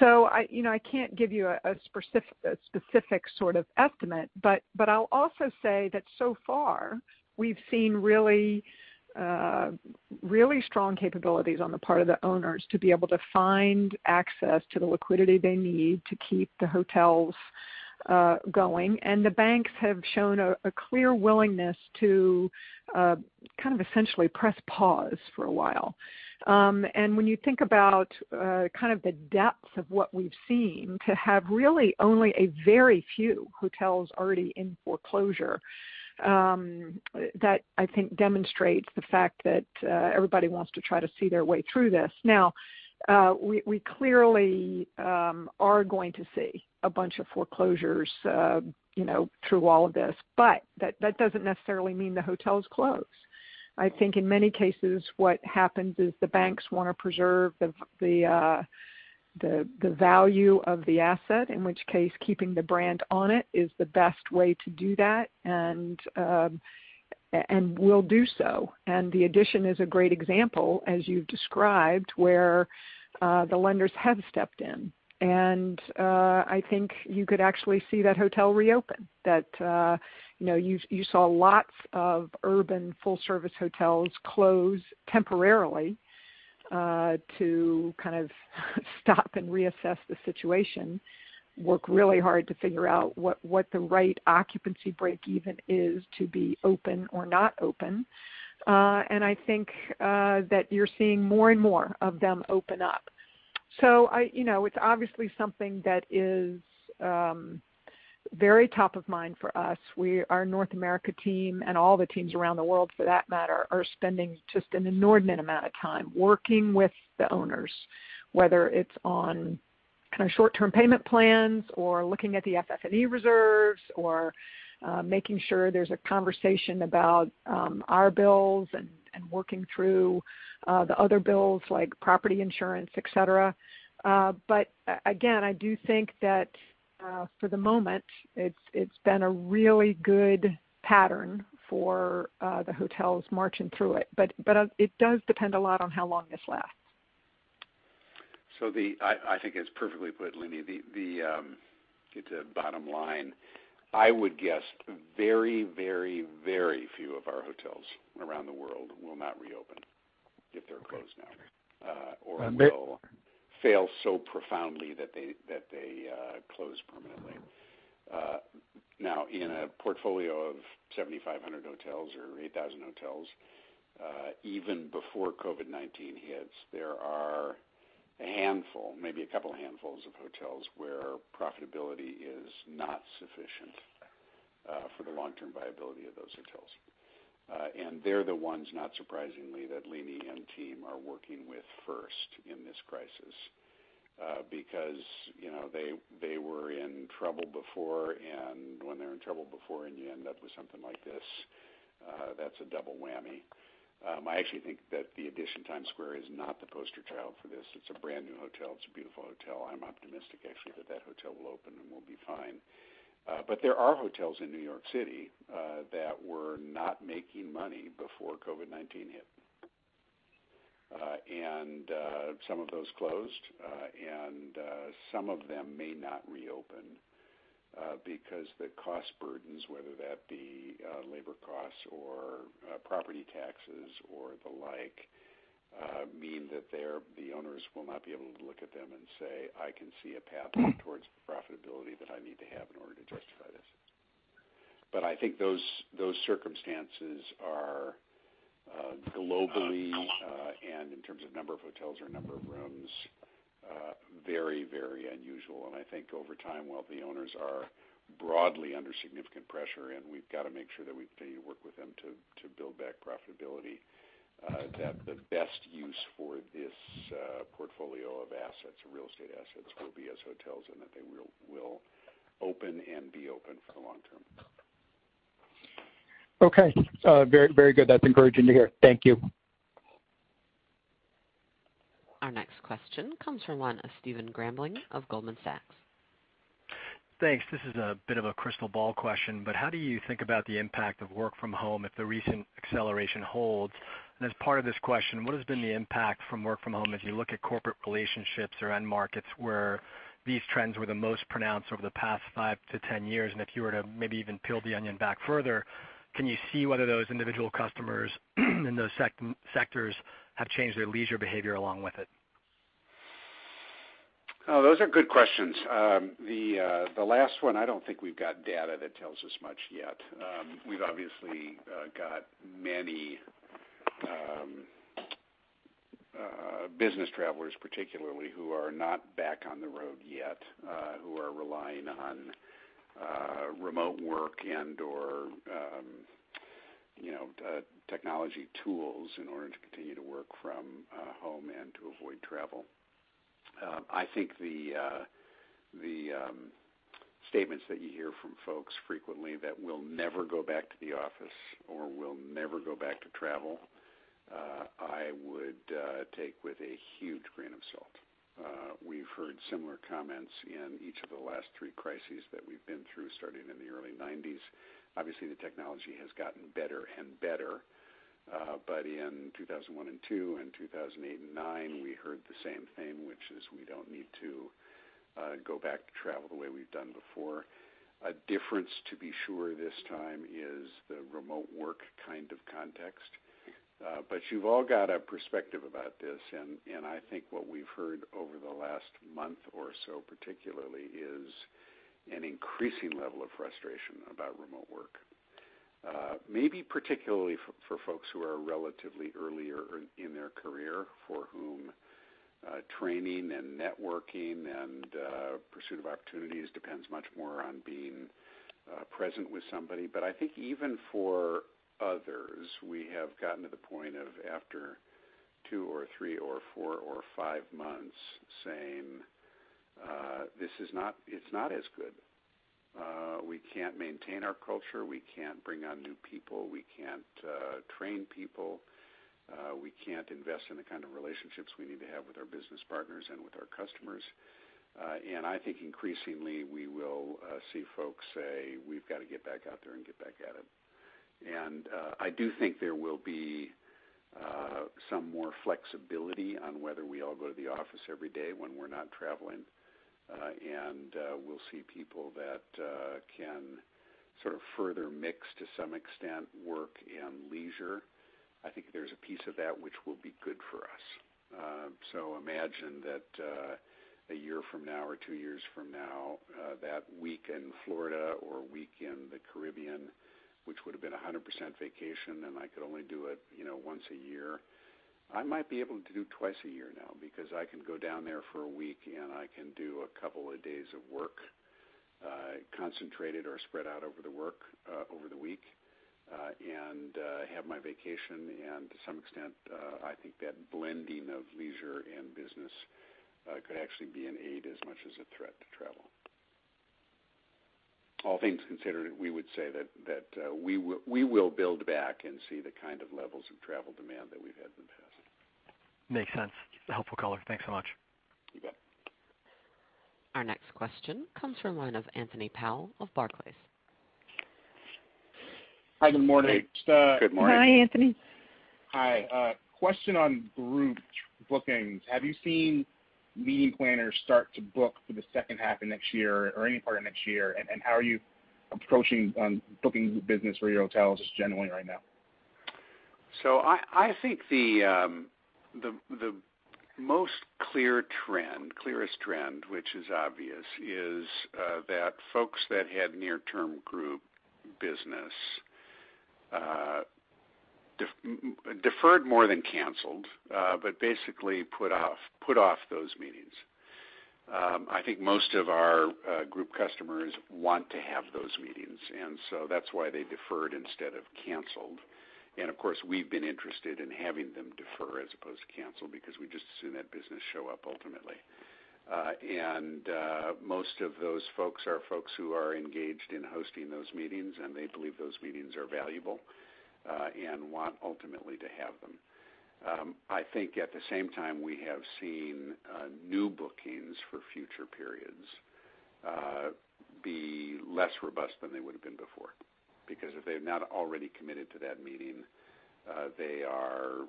I can't give you a specific sort of estimate, but I'll also say that so far we've seen really strong capabilities on the part of the owners to be able to find access to the liquidity they need to keep the hotels going. The banks have shown a clear willingness to kind of essentially press pause for a while. When you think about kind of the depth of what we've seen to have really only a very few hotels already in foreclosure that I think demonstrates the fact that everybody wants to try to see their way through this. Now we clearly are going to see a bunch of foreclosures through all of this, but that doesn't necessarily mean the hotel is closed. I think in many cases what happens is the banks want to preserve the value of the asset, in which case, keeping the brand on it is the best way to do that, and we'll do so. The EDITON is a great example, as you've described, where the lenders have stepped in. I think you could actually see that hotel reopen. You saw lots of urban full-service hotels close temporarily to kind of stop and reassess the situation, work really hard to figure out what the right occupancy breakeven is to be open or not open. I think that you're seeing more and more of them open up. It's obviously something that is very top of mind for us. Our North America team and all the teams around the world for that matter, are spending just an inordinate amount of time working with the owners, whether it's on short-term payment plans or looking at the FF&E reserves or making sure there's a conversation about our bills and working through the other bills, like property insurance, et cetera. Again, I do think that for the moment, it's been a really good pattern for the hotels marching through it. It does depend a lot on how long this lasts. I think it's perfectly put, Leeny. The bottom line, I would guess very few of our hotels around the world will not reopen if they're closed now, or will fail so profoundly that they close permanently. Now in a portfolio of 7,500 hotels or 8,000 hotels, even before COVID-19 hits, there are a handful, maybe a couple handfuls of hotels where profitability is not sufficient for the long-term viability of those hotels. And they're the ones, not surprisingly, that Leeny and team are working with first in this crisis because they were in trouble before. And when they're in trouble before and you end up with something like this, that's a double whammy. I actually think that the Edition Times Square is not the poster child for this. It's a brand-new hotel. It's a beautiful hotel. I'm optimistic actually that that hotel will open, and we'll be fine. There are hotels in New York City that were not making money before COVID-19 hit. Some of those closed, and some of them may not reopen because the cost burdens, whether that be labor costs or property taxes or the like, mean that the owners will not be able to look at them and say, "I can see a path towards profitability that I need to have in order to justify this." I think those circumstances are globally and in terms of number of hotels or number of rooms very unusual. I think over time, while the owners are broadly under significant pressure, and we've got to make sure that we continue to work with them to build back profitability, that the best use for this portfolio of assets or real estate assets will be as hotels and that they will open and be open for the long term. Okay. Very good. That's encouraging to hear. Thank you. Our next question comes from line of Stephen Grambling of Goldman Sachs. Thanks. This is a bit of a crystal ball question, but how do you think about the impact of work from home if the recent acceleration holds? As part of this question, what has been the impact from work from home as you look at corporate relationships or end markets where these trends were the most pronounced over the past 5 to 10 years? If you were to maybe even peel the onion back further, can you see whether those individual customers in those sectors have changed their leisure behavior along with it? Those are good questions. The last one, I don't think we've got data that tells us much yet. We've obviously got many business travelers, particularly who are not back on the road yet who are relying on remote work and/or technology tools in order to continue to work from home and to avoid travel. I think the statements that you hear from folks frequently that we'll never go back to the office or we'll never go back to travel I would take with a huge grain of salt. We've heard similar comments in each of the last three crises that we've been through starting in the early 1990s. Obviously, the technology has gotten better and better. In 2001 and 2002 and 2008 and 2009, we heard the same thing, which is we don't need to go back to travel the way we've done before. A difference, to be sure this time is the remote work kind of context. You've all got a perspective about this, and I think what we've heard over the last month or so particularly is an increasing level of frustration about remote work. Maybe particularly for folks who are relatively earlier in their career for whom training and networking and pursuit of opportunities depends much more on being present with somebody. I think even for others, we have gotten to the point of after two or three or four or five months saying this is not as good. We can't maintain our culture. We can't bring on new people. We can't train people. We can't invest in the kind of relationships we need to have with our business partners and with our customers. I think increasingly we will see folks say, "We've got to get back out there and get back at it." I do think there will be some more flexibility on whether we all go to the office every day when we're not traveling, and we'll see people that can sort of further mix to some extent, work and leisure. I think there's a piece of that which will be good for us. Imagine that a year from now or two years from now that week in Florida or a week in the Caribbean, which would've been 100% vacation, and I could only do it once a year, I might be able to do twice a year now because I can go down there for a week and I can do a couple of days of work concentrated or spread out over the week and have my vacation. To some extent I think that blending of leisure and business could actually be an aid as much as a threat to travel. All things considered, we would say that we will build back and see the kind of levels of travel demand that we've had in the past. Makes sense. Helpful color. Thanks so much. You bet. Our next question comes from the line of Anthony Powell of Barclays. Hi, good morning. Hey. Good morning. Hi, Anthony. Hi. A question on group bookings. Have you seen meeting planners start to book for the second half of next year or any part of next year? How are you approaching on booking business for your hotels just generally right now? I think the clearest trend, which is obvious, is that folks that had near term group business deferred more than canceled but basically put off those meetings. I think most of our group customers want to have those meetings, and so that's why they deferred instead of canceled. Of course, we've been interested in having them defer as opposed to cancel because we just assume that business show up ultimately. Most of those folks are folks who are engaged in hosting those meetings, and they believe those meetings are valuable and want ultimately to have them. I think at the same time, we have seen new bookings for future periods be less robust than they would've been before because if they have not already committed to that meeting, they are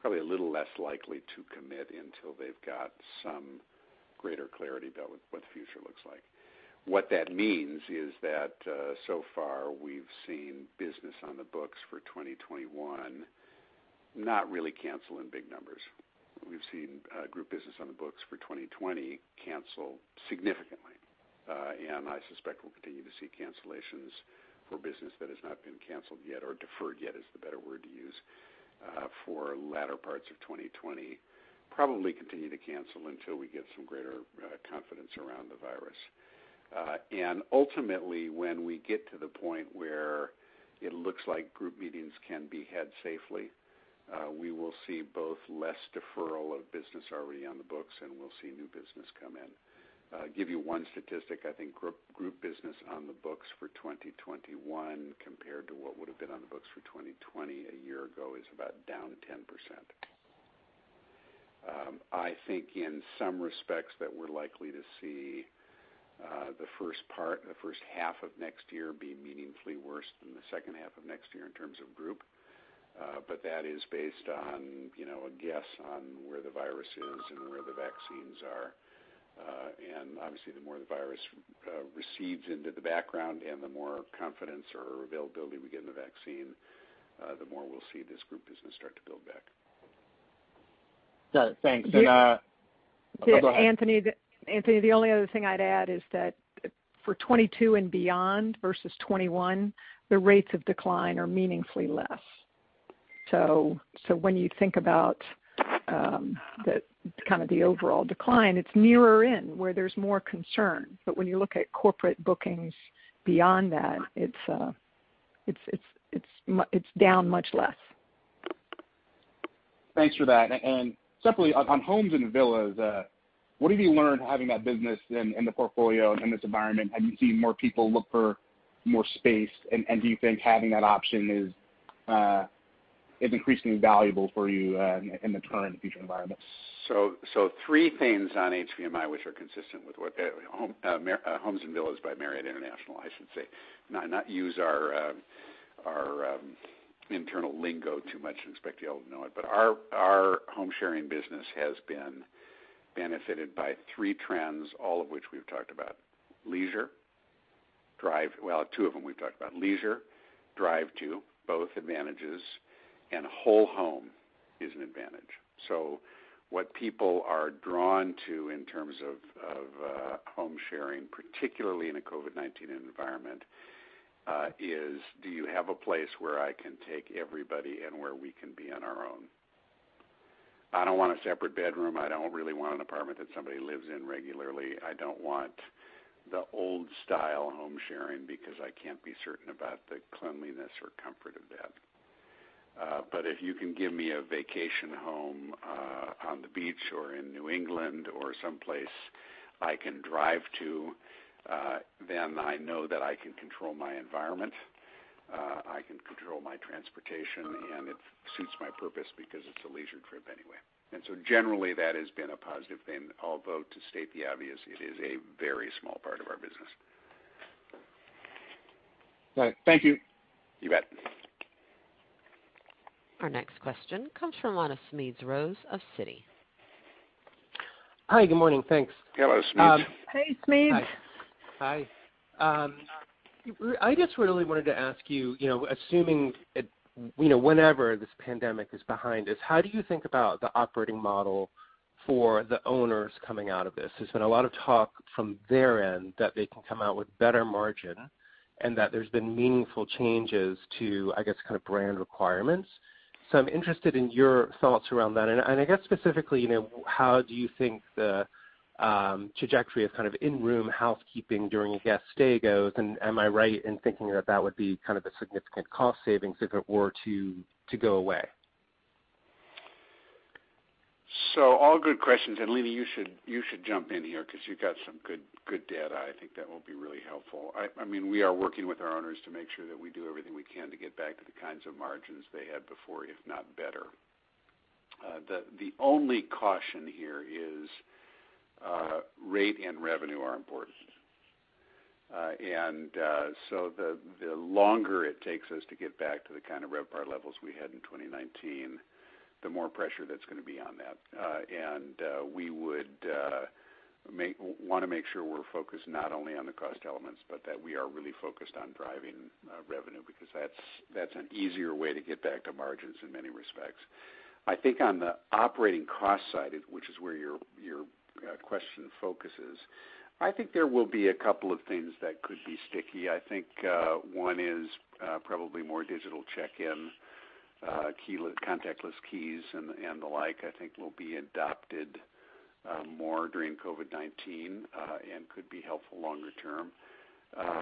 probably a little less likely to commit until they've got some greater clarity about what the future looks like. What that means is that so far we've seen business on the books for 2021 not really cancel in big numbers. We've seen group business on the books for 2020 cancel significantly. I suspect we'll continue to see cancellations for business that has not been canceled yet or deferred yet is the better word to use for latter parts of 2020 probably continue to cancel until we get some greater confidence around the virus. Ultimately when we get to the point where it looks like group meetings can be had safely we will see both less deferral of business already on the books and we'll see new business come in. Give you one statistic, I think group business on the books for 2021 compared to what would've been on the books for 2020 a year ago is about down 10%. I think in some respects that we're likely to see the first half of next year be meaningfully worse than the second half of next year in terms of group. That is based on a guess on where the virus is and where the vaccines are. Obviously the more the virus recedes into the background and the more confidence or availability we get in the vaccine the more we'll see this group business start to build back. Got it. Thanks. You- Oh, go ahead. Anthony, the only other thing I'd add is that for 2022 and beyond versus 2021, the rates of decline are meaningfully less. When you think about the kind of the overall decline, it's nearer in where there's more concern. When you look at corporate bookings beyond that, it's down much less. Thanks for that. Separately on Homes & Villas, what have you learned having that business in the portfolio in this environment? Have you seen more people look for more space and do you think having that option is increasingly valuable for you in the current and future environments? Three things on HVMI which are consistent with what the Homes & Villas by Marriott Bonvoy, I should say, not use our internal lingo too much and expect you all to know it. Our home sharing business has been benefited by three trends all of which we've talked about. Leisure, Well, two of them we've talked about leisure, drive to both advantages and whole home is an advantage. What people are drawn to in terms of home sharing particularly in a COVID-19 environment is do you have a place where I can take everybody and where we can be on our own? I don't want a separate bedroom. I don't really want an apartment that somebody lives in regularly. I don't want the old style home sharing because I can't be certain about the cleanliness or comfort of that. If you can give me a vacation home on the beach or in New England or someplace I can drive to, then I know that I can control my environment, I can control my transportation, and it suits my purpose because it's a leisure trip anyway. Generally, that has been a positive thing, although to state the obvious, it is a very small part of our business. All right. Thank you. You bet. Our next question comes from line of Smedes Rose of Citi. Hi, good morning. Thanks. Hello, Smedes. Hey, Smedes. Hi. I just really wanted to ask you, assuming whenever this pandemic is behind us, how do you think about the operating model for the owners coming out of this? There's been a lot of talk from their end that they can come out with better margin and that there's been meaningful changes to, I guess, brand requirements. I'm interested in your thoughts around that. I guess specifically, how do you think the trajectory of in-room housekeeping during a guest stay goes, and am I right in thinking that that would be a significant cost savings if it were to go away? All good questions. Leeny, you should jump in here because you've got some good data. I think that will be really helpful. We are working with our owners to make sure that we do everything we can to get back to the kinds of margins they had before, if not better. The only caution here is rate and revenue are important. The longer it takes us to get back to the kind of RevPAR levels we had in 2019, the more pressure that's going to be on that. We would want to make sure we're focused not only on the cost elements, but that we are really focused on driving revenue because that's an easier way to get back to margins in many respects. I think on the operating cost side, which is where your question focuses, I think there will be a couple of things that could be sticky. I think one is probably more digital check-ins, contactless keys, and the like, I think will be adopted more during COVID-19 and could be helpful longer term.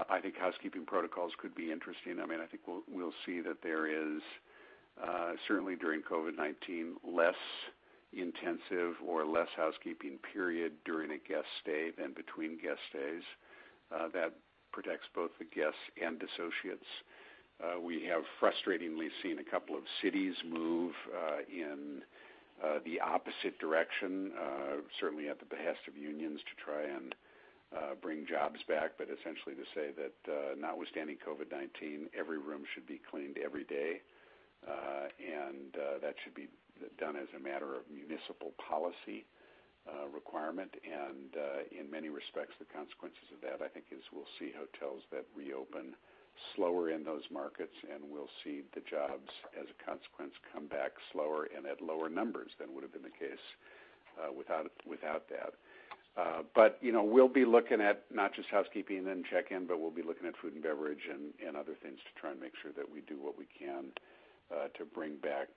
I think housekeeping protocols could be interesting. I think we'll see that there is, certainly during COVID-19, less intensive or less housekeeping period during a guest stay than between guest stays that protects both the guests and associates. We have frustratingly seen a couple of cities move in the opposite direction, certainly at the behest of unions to try and bring jobs back, but essentially to say that notwithstanding COVID-19, every room should be cleaned every day. That should be done as a matter of municipal policy requirement. In many respects, the consequences of that, I think, is we'll see hotels that reopen slower in those markets, and we'll see the jobs as a consequence, come back slower and at lower numbers than would have been the case without that. We'll be looking at not just housekeeping and check-in, but we'll be looking at food and beverage and other things to try and make sure that we do what we can to bring back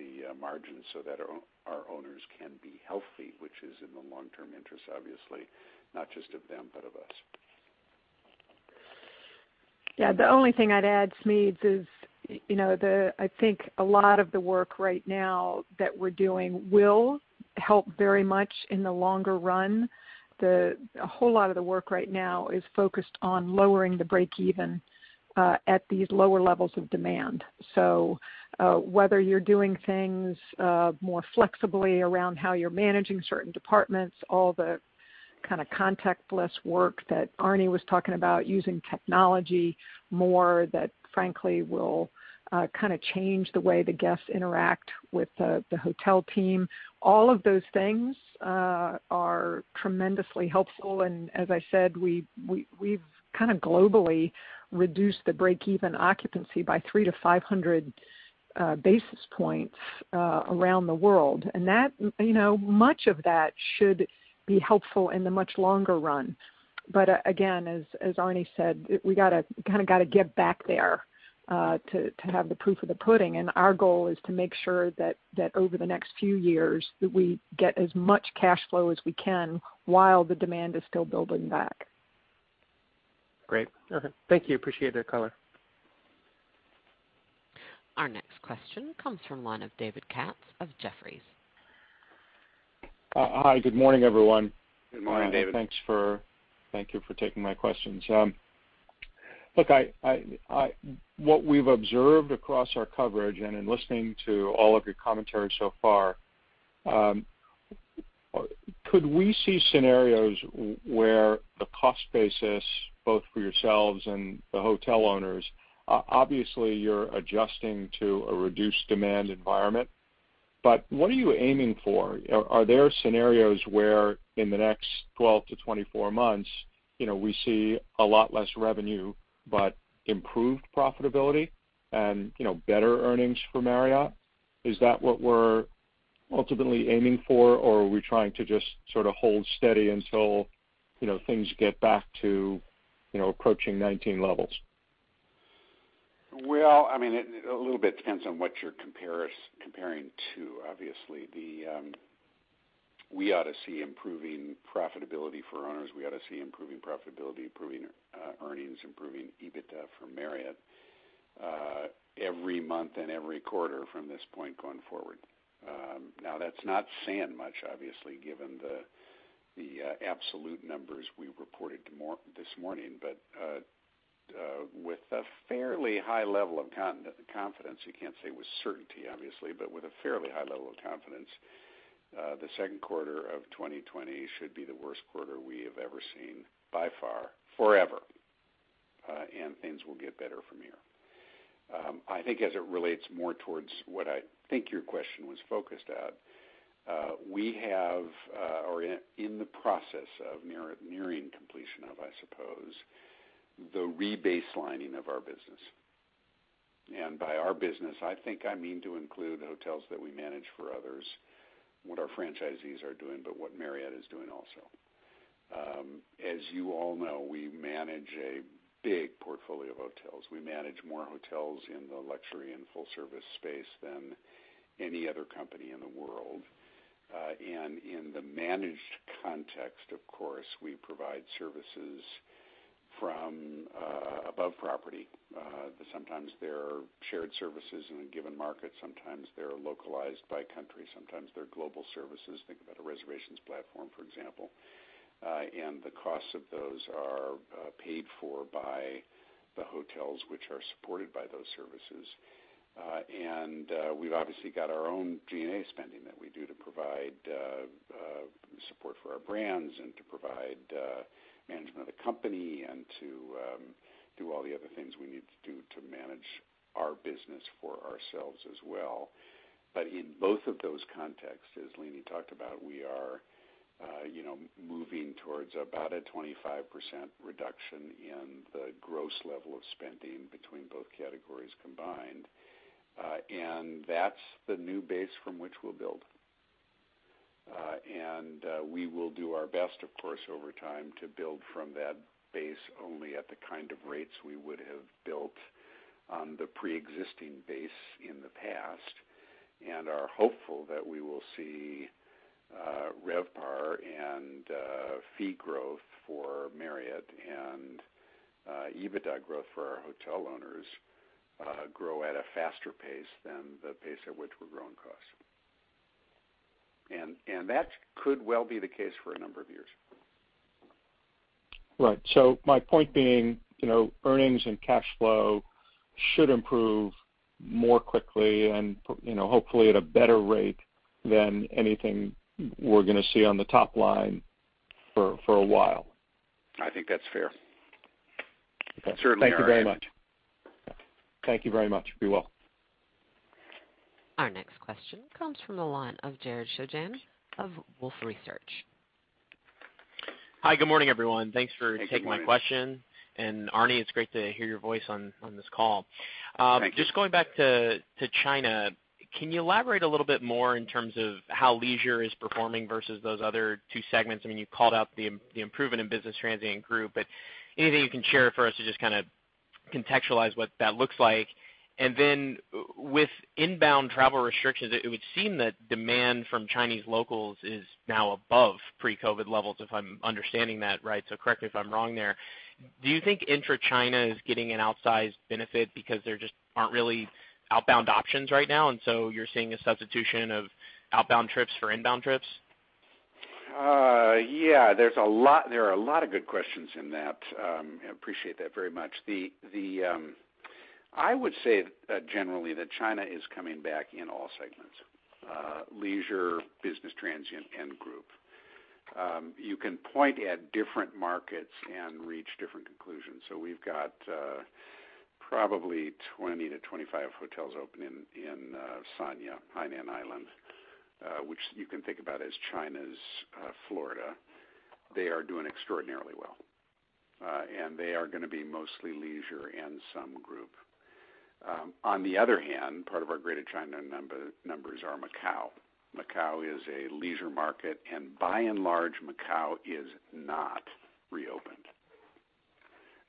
the margins so that our owners can be healthy, which is in the long-term interest, obviously, not just of them, but of us. Yeah. The only thing I'd add, Smedes, is I think a lot of the work right now that we're doing will help very much in the longer run. A whole lot of the work right now is focused on lowering the break-even at these lower levels of demand. Whether you're doing things more flexibly around how you're managing certain departments, all the kind of contactless work that Arne was talking about, using technology more that frankly will change the way the guests interact with the hotel team. All of those things are tremendously helpful. As I said, we've kind of globally reduced the break-even occupancy by 300 to 500 basis points around the world. Much of that should be helpful in the much longer run. Again, as Arne said, we kind of got to get back there to have the proof of the pudding. Our goal is to make sure that over the next few years, that we get as much cash flow as we can while the demand is still building back. Great. Okay. Thank you. Appreciate that color. Our next question comes from line of David Katz of Jefferies. Hi, good morning, everyone. Good morning, David. Thank you for taking my questions. Look, what we've observed across our coverage and in listening to all of your commentary so far, could we see scenarios where the cost basis, both for yourselves and the hotel owners, obviously you're adjusting to a reduced demand environment, but what are you aiming for? Are there scenarios where in the next 12-24 months we see a lot less revenue but improved profitability and better earnings for Marriott? Is that what we're ultimately aiming for, or are we trying to just sort of hold steady until things get back to approaching '19 levels? Well, a little bit depends on what you're comparing to. Obviously we ought to see improving profitability for owners. We ought to see improving profitability, improving earnings, improving EBITDA for Marriott every month and every quarter from this point going forward. That's not saying much, obviously, given the absolute numbers we reported this morning, but with a fairly high level of confidence, you can't say with certainty, obviously, but with a fairly high level of confidence, the second quarter of 2020 should be the worst quarter we have ever seen by far, forever. Things will get better from here. I think as it relates more towards what I think your question was focused at, we have, or are in the process of nearing completion of, I suppose, the rebaselining of our business. By our business, I think I mean to include the hotels that we manage for others, what our franchisees are doing, but what Marriott is doing also. You all know, we manage a big portfolio of hotels. We manage more hotels in the luxury and full-service space than any other company in the world. In the managed context, of course, we provide services from above property. Sometimes they're shared services in a given market, sometimes they're localized by country, sometimes they're global services. Think about a reservations platform, for example. The costs of those are paid for by the hotels which are supported by those services. We've obviously got our own G&A spending that we do to provide support for our brands and to provide management of the company and to do all the other things we need to do to manage our business for ourselves as well. In both of those contexts, as Leeny talked about, we are moving towards about a 25% reduction in the gross level of spending between both categories combined. That's the new base from which we'll build. We will do our best, of course, over time to build from that base only at the kind of rates we would have built on the preexisting base in the past and are hopeful that we will see RevPAR and fee growth for Marriott and EBITDA growth for our hotel owners grow at a faster pace than the pace at which we're growing costs. That could well be the case for a number of years. Right. My point being, earnings and cash flow should improve more quickly and hopefully at a better rate than anything we're going to see on the top line for a while. I think that's fair. Okay. It certainly our- Thank you very much. Be well. Our next question comes from the line of Jared Shojaian of Wolfe Research. Hi, good morning, everyone. Hey, good morning. Thanks for taking my question. Arne, it's great to hear your voice on this call. Thank you. Just going back to China, can you elaborate a little bit more in terms of how leisure is performing versus those other two segments? You called out the improvement in business transient group, but anything you can share for us to just kind of contextualize what that looks like? With inbound travel restrictions, it would seem that demand from Chinese locals is now above pre-COVID-19 levels, if I'm understanding that right. Correct me if I'm wrong there. Do you think intra-China is getting an outsized benefit because there just aren't really outbound options right now, and so you're seeing a substitution of outbound trips for inbound trips? Yeah. There are a lot of good questions in that. I appreciate that very much. I would say, generally, that China is coming back in all segments, leisure, business transient, and group. You can point at different markets and reach different conclusions. We've got probably 20 to 25 hotels open in Sanya, Hainan Island, which you can think about as China's Florida. They are doing extraordinarily well. They are going to be mostly leisure and some group. On the other hand, part of our Greater China numbers are Macau. Macau is a leisure market, and by and large, Macau is not reopened.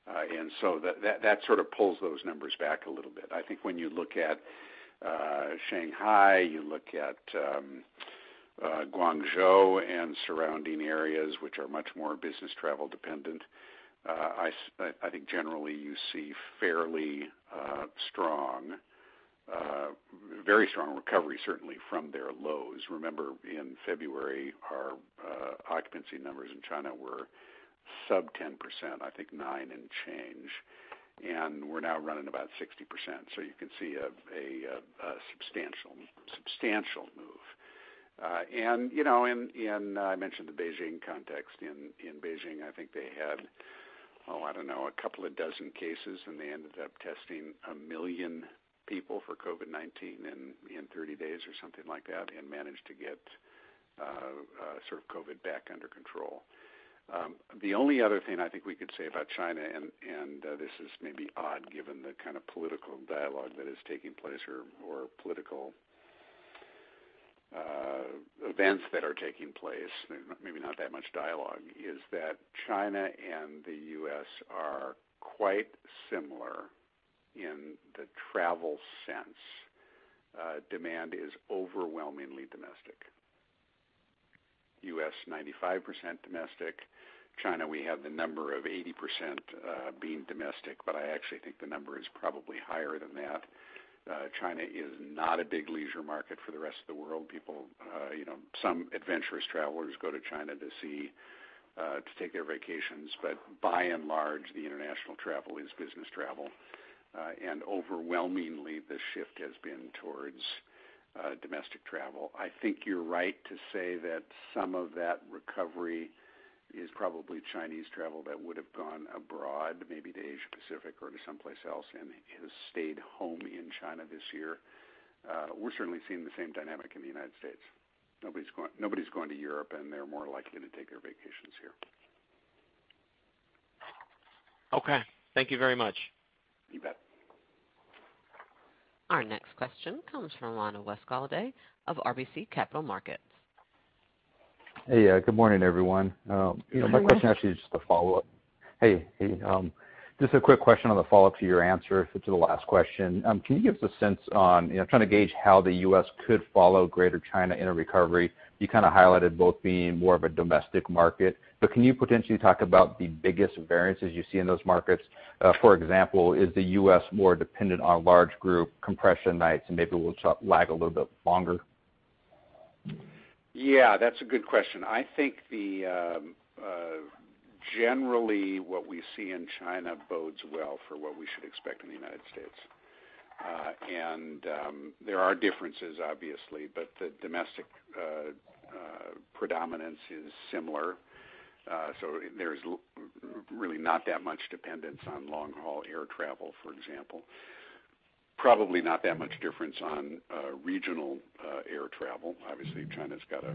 That sort of pulls those numbers back a little bit. I think when you look at Shanghai, you look at Guangzhou and surrounding areas, which are much more business travel dependent I think generally you see fairly strong, very strong recovery certainly from their lows. Remember, in February, our occupancy numbers in China were sub 10%, I think nine and change, and we're now running about 60%. You can see a substantial move. I mentioned the Beijing context. In Beijing, I think they had, oh, I don't know, a couple of dozen cases, and they ended up testing 1 million people for COVID-19 in 30 days or something like that and managed to get sort of COVID back under control. The only other thing I think we could say about China, and this is maybe odd given the kind of political dialogue that is taking place or political events that are taking place, maybe not that much dialogue, is that China and the U.S. are quite similar. In the travel sense, demand is overwhelmingly domestic. U.S., 95% domestic. China, we have the number of 80% being domestic, but I actually think the number is probably higher than that. China is not a big leisure market for the rest of the world. Some adventurous travelers go to China to take their vacations, but by and large, the international travel is business travel. Overwhelmingly, the shift has been towards domestic travel. I think you're right to say that some of that recovery is probably Chinese travel that would've gone abroad, maybe to Asia Pacific or to someplace else, and has stayed home in China this year. We're certainly seeing the same dynamic in the United States. Nobody's going to Europe, and they're more likely to take their vacations here. Okay. Thank you very much. You bet. Our next question comes from the line of Wes Golladay of RBC Capital Markets. Hey, good morning, everyone. Hey, Wes. My question actually is just a follow-up. Hey. Just a quick question on the follow-up to your answer to the last question. Can you give us a sense? I'm trying to gauge how the U.S. could follow Greater China in a recovery. You kind of highlighted both being more of a domestic market, can you potentially talk about the biggest variances you see in those markets? For example, is the U.S. more dependent on large group compression nights, and maybe will lag a little bit longer? Yeah, that's a good question. I think generally, what we see in China bodes well for what we should expect in the U.S. There are differences, obviously, but the domestic predominance is similar. There's really not that much dependence on long-haul air travel, for example. Probably not that much difference on regional air travel. Obviously, China's got a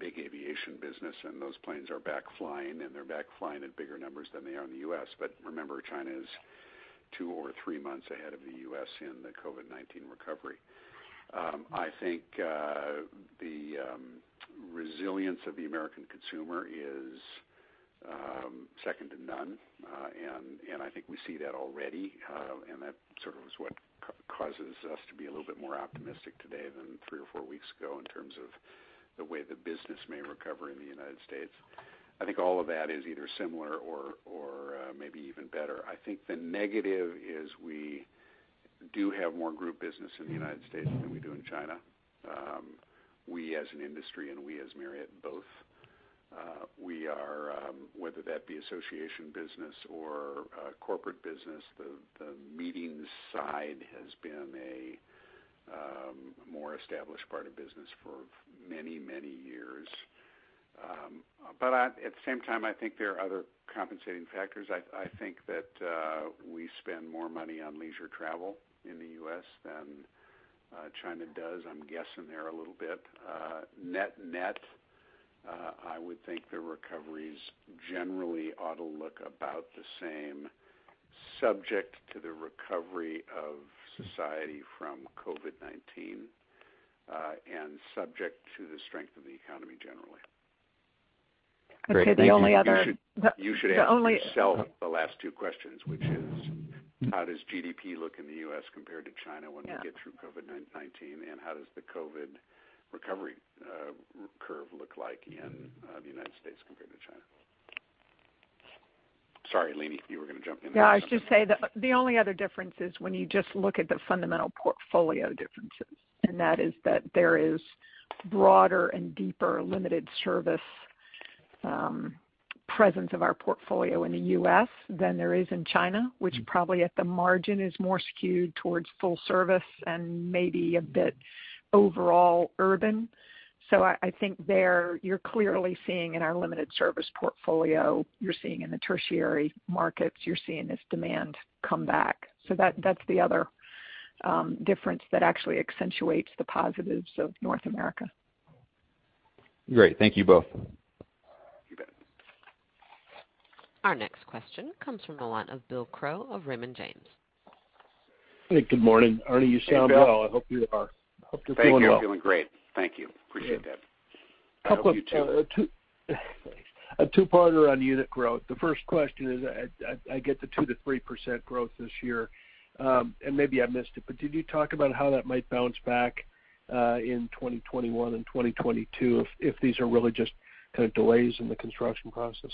big aviation business, and those planes are back flying, and they're back flying in bigger numbers than they are in the U.S. Remember, China is two or three months ahead of the U.S. in the COVID-19 recovery. I think the resilience of the American consumer is second to none, and I think we see that already, and that sort of is what causes us to be a little bit more optimistic today than three or four weeks ago in terms of the way the business may recover in the United States. I think all of that is either similar or maybe even better. I think the negative is we do have more group business in the United States than we do in China. We as an industry and we as Marriott both. Whether that be association business or corporate business, the meetings side has been a more established part of business for many, many years. At the same time, I think there are other compensating factors. I think that we spend more money on leisure travel in the U.S. than China does. I'm guessing there a little bit. Net-net, I would think the recoveries generally ought to look about the same, subject to the recovery of society from COVID-19, and subject to the strength of the economy generally. Great. Thank you. I'd say the only other- You should ask yourself the last two questions, which is how does GDP look in the U.S. compared to China when we get through COVID-19, and how does the COVID recovery curve look like in the United States compared to China? Sorry, Leeny, you were going to jump in there on something. No, I was just say that the only other difference is when you just look at the fundamental portfolio differences, and that is that there is broader and deeper limited service presence of our portfolio in the U.S. than there is in China, which probably at the margin is more skewed towards full service and maybe a bit overall urban. I think there, you're clearly seeing in our limited service portfolio, you're seeing in the tertiary markets, you're seeing this demand come back. That's the other difference that actually accentuates the positives of North America. Great. Thank you both. You bet. Our next question comes from the line of Bill Crow of Raymond James. Hey, good morning. Arne, you sound well. Hey, Bill. I hope you're doing well. Thank you. I'm doing great. Thank you. Appreciate that. I hope you too. A two-parter on unit growth. The first question is I get the 2%-3% growth this year. Maybe I missed it, but did you talk about how that might bounce back in 2021 and 2022 if these are really just kind of delays in the construction process?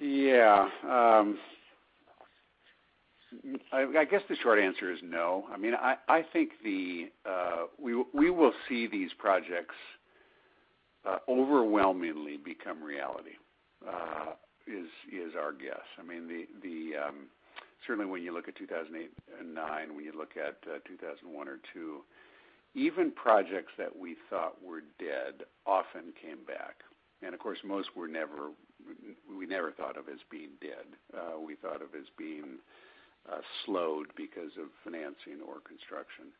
Yeah. I guess the short answer is no. I think we will see these projects overwhelmingly become reality, is our guess. Certainly, when you look at 2008 and 2009, when you look at 2001 or 2002, even projects that we thought were dead often came back. Of course, most we never thought of as being dead. We thought of as being slowed because of financing or construction.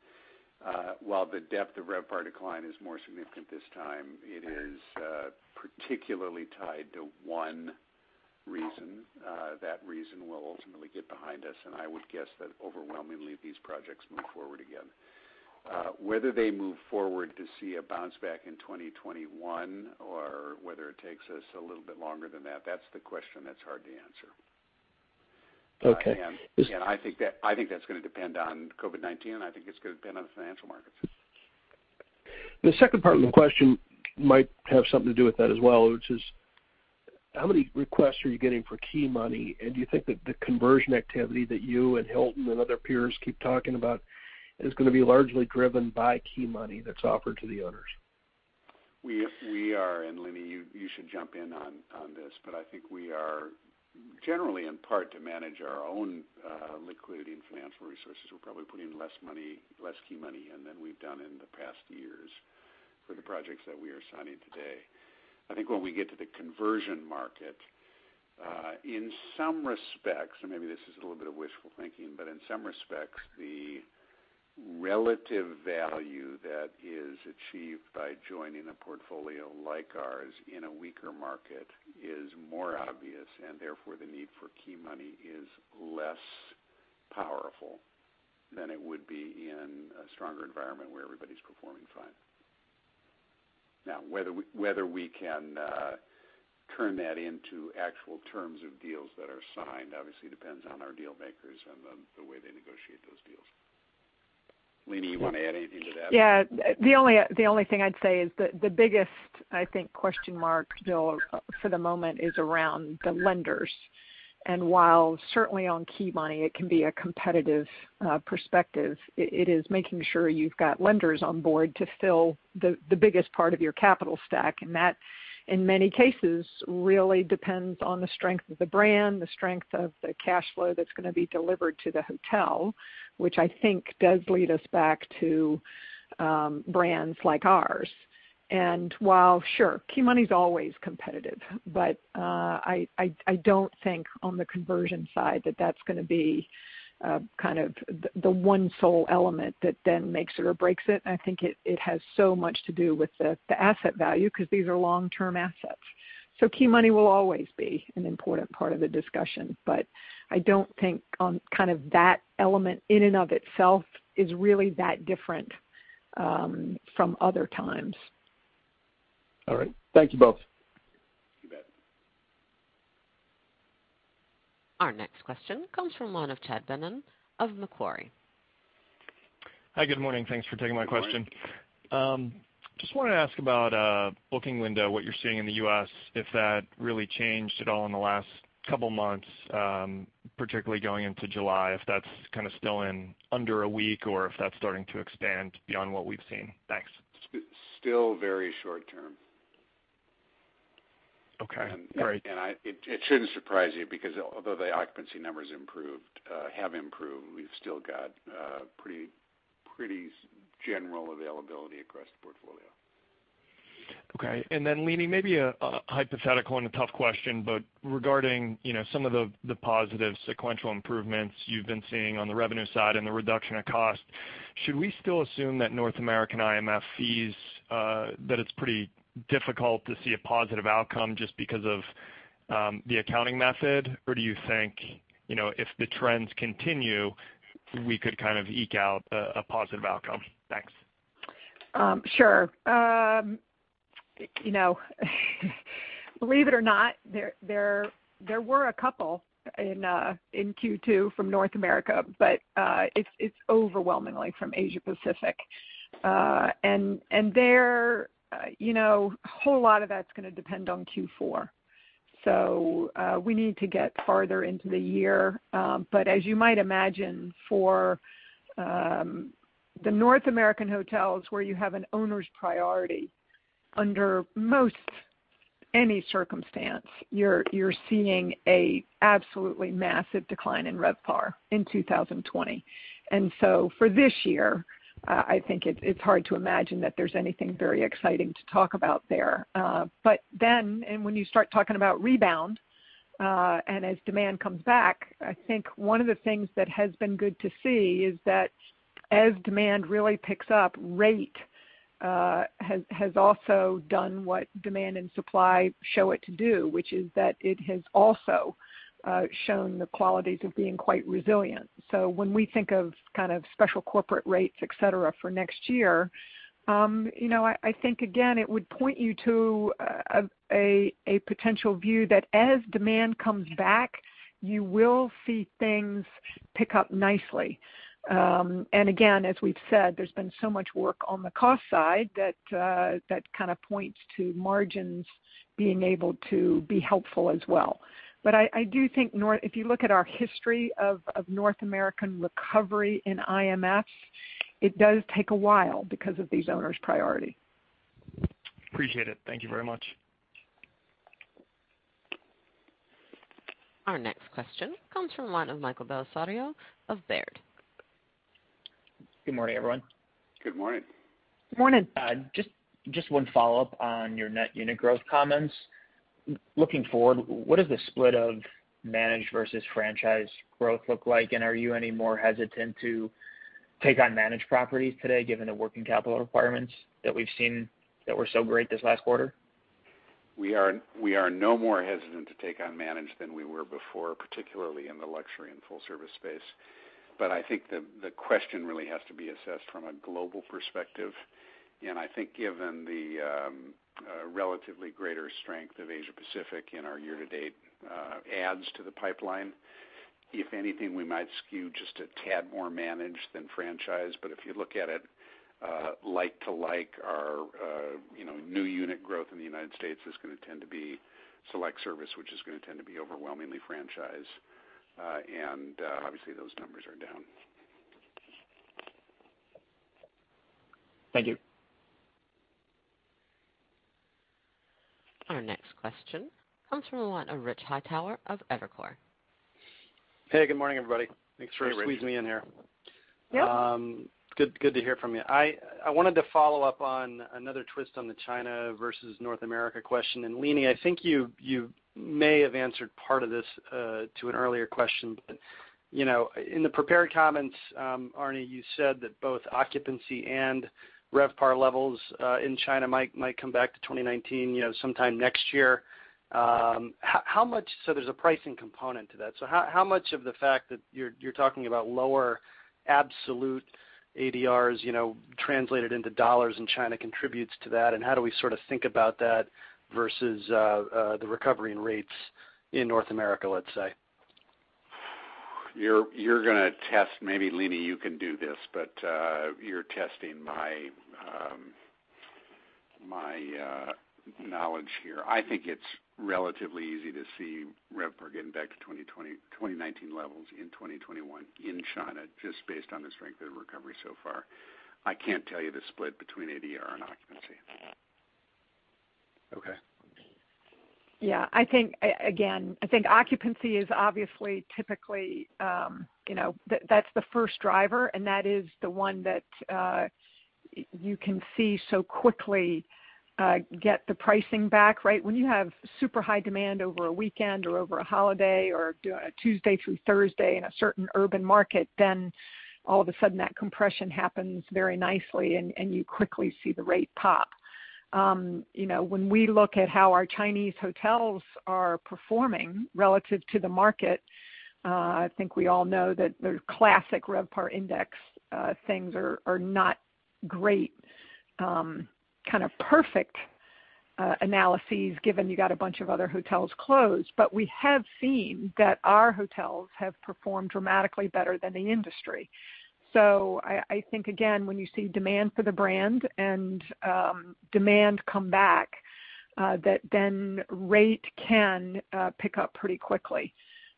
While the depth of RevPAR decline is more significant this time, it is particularly tied to one reason. That reason will ultimately get behind us. We guess that overwhelmingly these projects move forward again. Whether they move forward to see a bounce back in 2021 or whether it takes us a little bit longer than that's the question that's hard to answer. Okay. I think that's going to depend on COVID-19. I think it's going to depend on the financial markets. The second part of the question might have something to do with that as well, which is how many requests are you getting for key money, and do you think that the conversion activity that you and Hilton and other peers keep talking about is going to be largely driven by key money that's offered to the owners? We are, and Leeny, you should jump in on this, but I think we are generally, in part to manage our own liquidity and financial resources, we're probably putting in less key money in than we've done in the past years for the projects that we are signing today. I think when we get to the conversion market, in some respects, and maybe this is a little bit of wishful thinking, but in some respects, the relative value that is achieved by joining a portfolio like ours in a weaker market is more obvious, and therefore the need for key money is less powerful than it would be in a stronger environment where everybody's performing fine. Now, whether we can turn that into actual terms of deals that are signed obviously depends on our deal makers and the way they negotiate those deals. Leeny, you want to add anything to that? Yeah. The only thing I'd say is the biggest, I think, question mark, Bill, for the moment is around the lenders. While certainly on key money, it can be a competitive perspective, it is making sure you've got lenders on board to fill the biggest part of your capital stack, and that, in many cases, really depends on the strength of the brand, the strength of the cash flow that's going to be delivered to the hotel, which I think does lead us back to brands like ours. While sure, key money's always competitive, but I don't think on the conversion side that that's going to be kind of the one sole element that then makes it or breaks it. I think it has so much to do with the asset value because these are long-term assets. Key money will always be an important part of the discussion, but I don't think on that element in and of itself is really that different from other times. All right. Thank you both. You bet. Our next question comes from the line of Chad Beynon of Macquarie. Hi. Good morning. Thanks for taking my question. Good morning. Just wanted to ask about booking window, what you're seeing in the U.S., if that really changed at all in the last couple of months, particularly going into July, if that's kind of still in under a week or if that's starting to expand beyond what we've seen. Thanks. Still very short term. Okay. All right. It shouldn't surprise you because although the occupancy numbers have improved, we've still got pretty general availability across the portfolio. Okay. Leeny, maybe a hypothetical and a tough question, but regarding some of the positive sequential improvements you've been seeing on the revenue side and the reduction of cost, should we still assume that North American IMFs, that it's pretty difficult to see a positive outcome just because of the accounting method, or do you think, if the trends continue, we could kind of eke out a positive outcome? Thanks. Sure. Believe it or not, there were a couple in Q2 from North America, but it's overwhelmingly from Asia Pacific. There, a whole lot of that's going to depend on Q4. We need to get farther into the year. As you might imagine, for the North American hotels, where you have an owner's priority, under most any circumstance, you're seeing a absolutely massive decline in RevPAR in 2020. For this year, I think it's hard to imagine that there's anything very exciting to talk about there. When you start talking about rebound, and as demand comes back, I think one of the things that has been good to see is that as demand really picks up, rate has also done what demand and supply show it to do, which is that it has also shown the qualities of being quite resilient. When we think of kind of special corporate rates, et cetera, for next year, I think again, it would point you to a potential view that as demand comes back, you will see things pick up nicely. Again, as we've said, there's been so much work on the cost side that kind of points to margins being able to be helpful as well. I do think if you look at our history of North American recovery in IMFs, it does take a while because of these owners' priority. Appreciate it. Thank you very much. Our next question comes from the line of Michael Bellisario of Baird. Good morning, everyone. Good morning. Morning. Just one follow-up on your net unit growth comments. Looking forward, what does the split of managed versus franchise growth look like? Are you any more hesitant to take on managed properties today given the working capital requirements that we've seen that were so great this last quarter? We are no more hesitant to take on managed than we were before, particularly in the luxury and full-service space. I think the question really has to be assessed from a global perspective, and I think given the relatively greater strength of Asia Pacific in our year-to-date adds to the pipeline, if anything, we might skew just a tad more managed than franchise. If you look at it like to like our new unit growth in the United States is going to tend to be select service, which is going to tend to be overwhelmingly franchise. Obviously those numbers are down. Thank you. Our next question comes from the line of Rich Hightower of Evercore. Hey, good morning, everybody. Hey, Rich. Thanks for squeezing me in here. Yep. Good to hear from you. I wanted to follow up on another twist on the China versus North America question. Leeny, I think you may have answered part of this to an earlier question, but in the prepared comments, Arne, you said that both occupancy and RevPAR levels in China might come back to 2019 sometime next year. There's a pricing component to that. How much of the fact that you're talking about lower absolute ADRs translated into dollars in China contributes to that, and how do we sort of think about that versus the recovery in rates in North America, let's say? Maybe Leeny, you can do this, you're testing my knowledge here. I think it's relatively easy to see RevPAR getting back to 2019 levels in 2021 in China, just based on the strength of the recovery so far. I can't tell you the split between ADR and occupancy. Okay. Again, I think occupancy is obviously typically the first driver, and that is the one that you can see so quickly get the pricing back, right? When you have super high demand over a weekend or over a holiday or doing a Tuesday through Thursday in a certain urban market, all of a sudden that compression happens very nicely. You quickly see the rate pop. When we look at how our Chinese hotels are performing relative to the market, I think we all know that the classic RevPAR index things are not great kind of perfect analyses given you got a bunch of other hotels closed. We have seen that our hotels have performed dramatically better than the industry. I think, again, when you see demand for the brand and demand come back, that rate can pick up pretty quickly.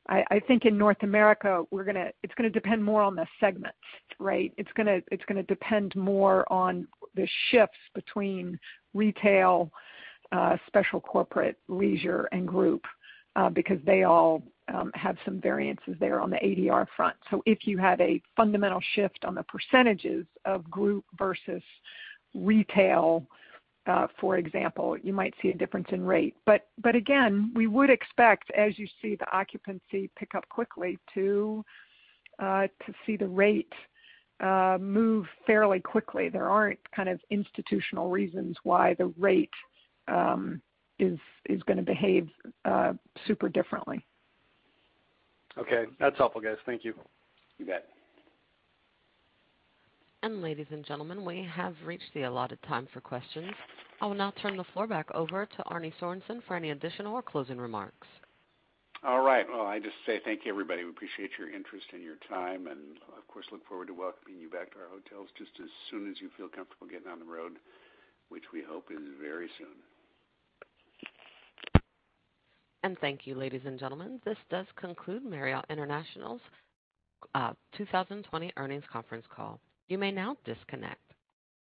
I think in North America it's going to depend more on the segment, right? It's going to depend more on the shifts between retail, special corporate, leisure, and group, because they all have some variances there on the ADR front. If you had a fundamental shift on the percentages of group versus retail, for example, you might see a difference in rate. Again, we would expect, as you see the occupancy pick up quickly, to see the rate move fairly quickly. There aren't kind of institutional reasons why the rate is going to behave super differently. Okay. That's helpful, guys. Thank you. You bet. Ladies and gentlemen, we have reached the allotted time for questions. I will now turn the floor back over to Arne Sorenson for any additional or closing remarks. All right. Well, I just say thank you, everybody. We appreciate your interest and your time, and of course, look forward to welcoming you back to our hotels just as soon as you feel comfortable getting on the road, which we hope is very soon. Thank you, ladies and gentlemen. This does conclude Marriott International's 2020 earnings conference call. You may now disconnect.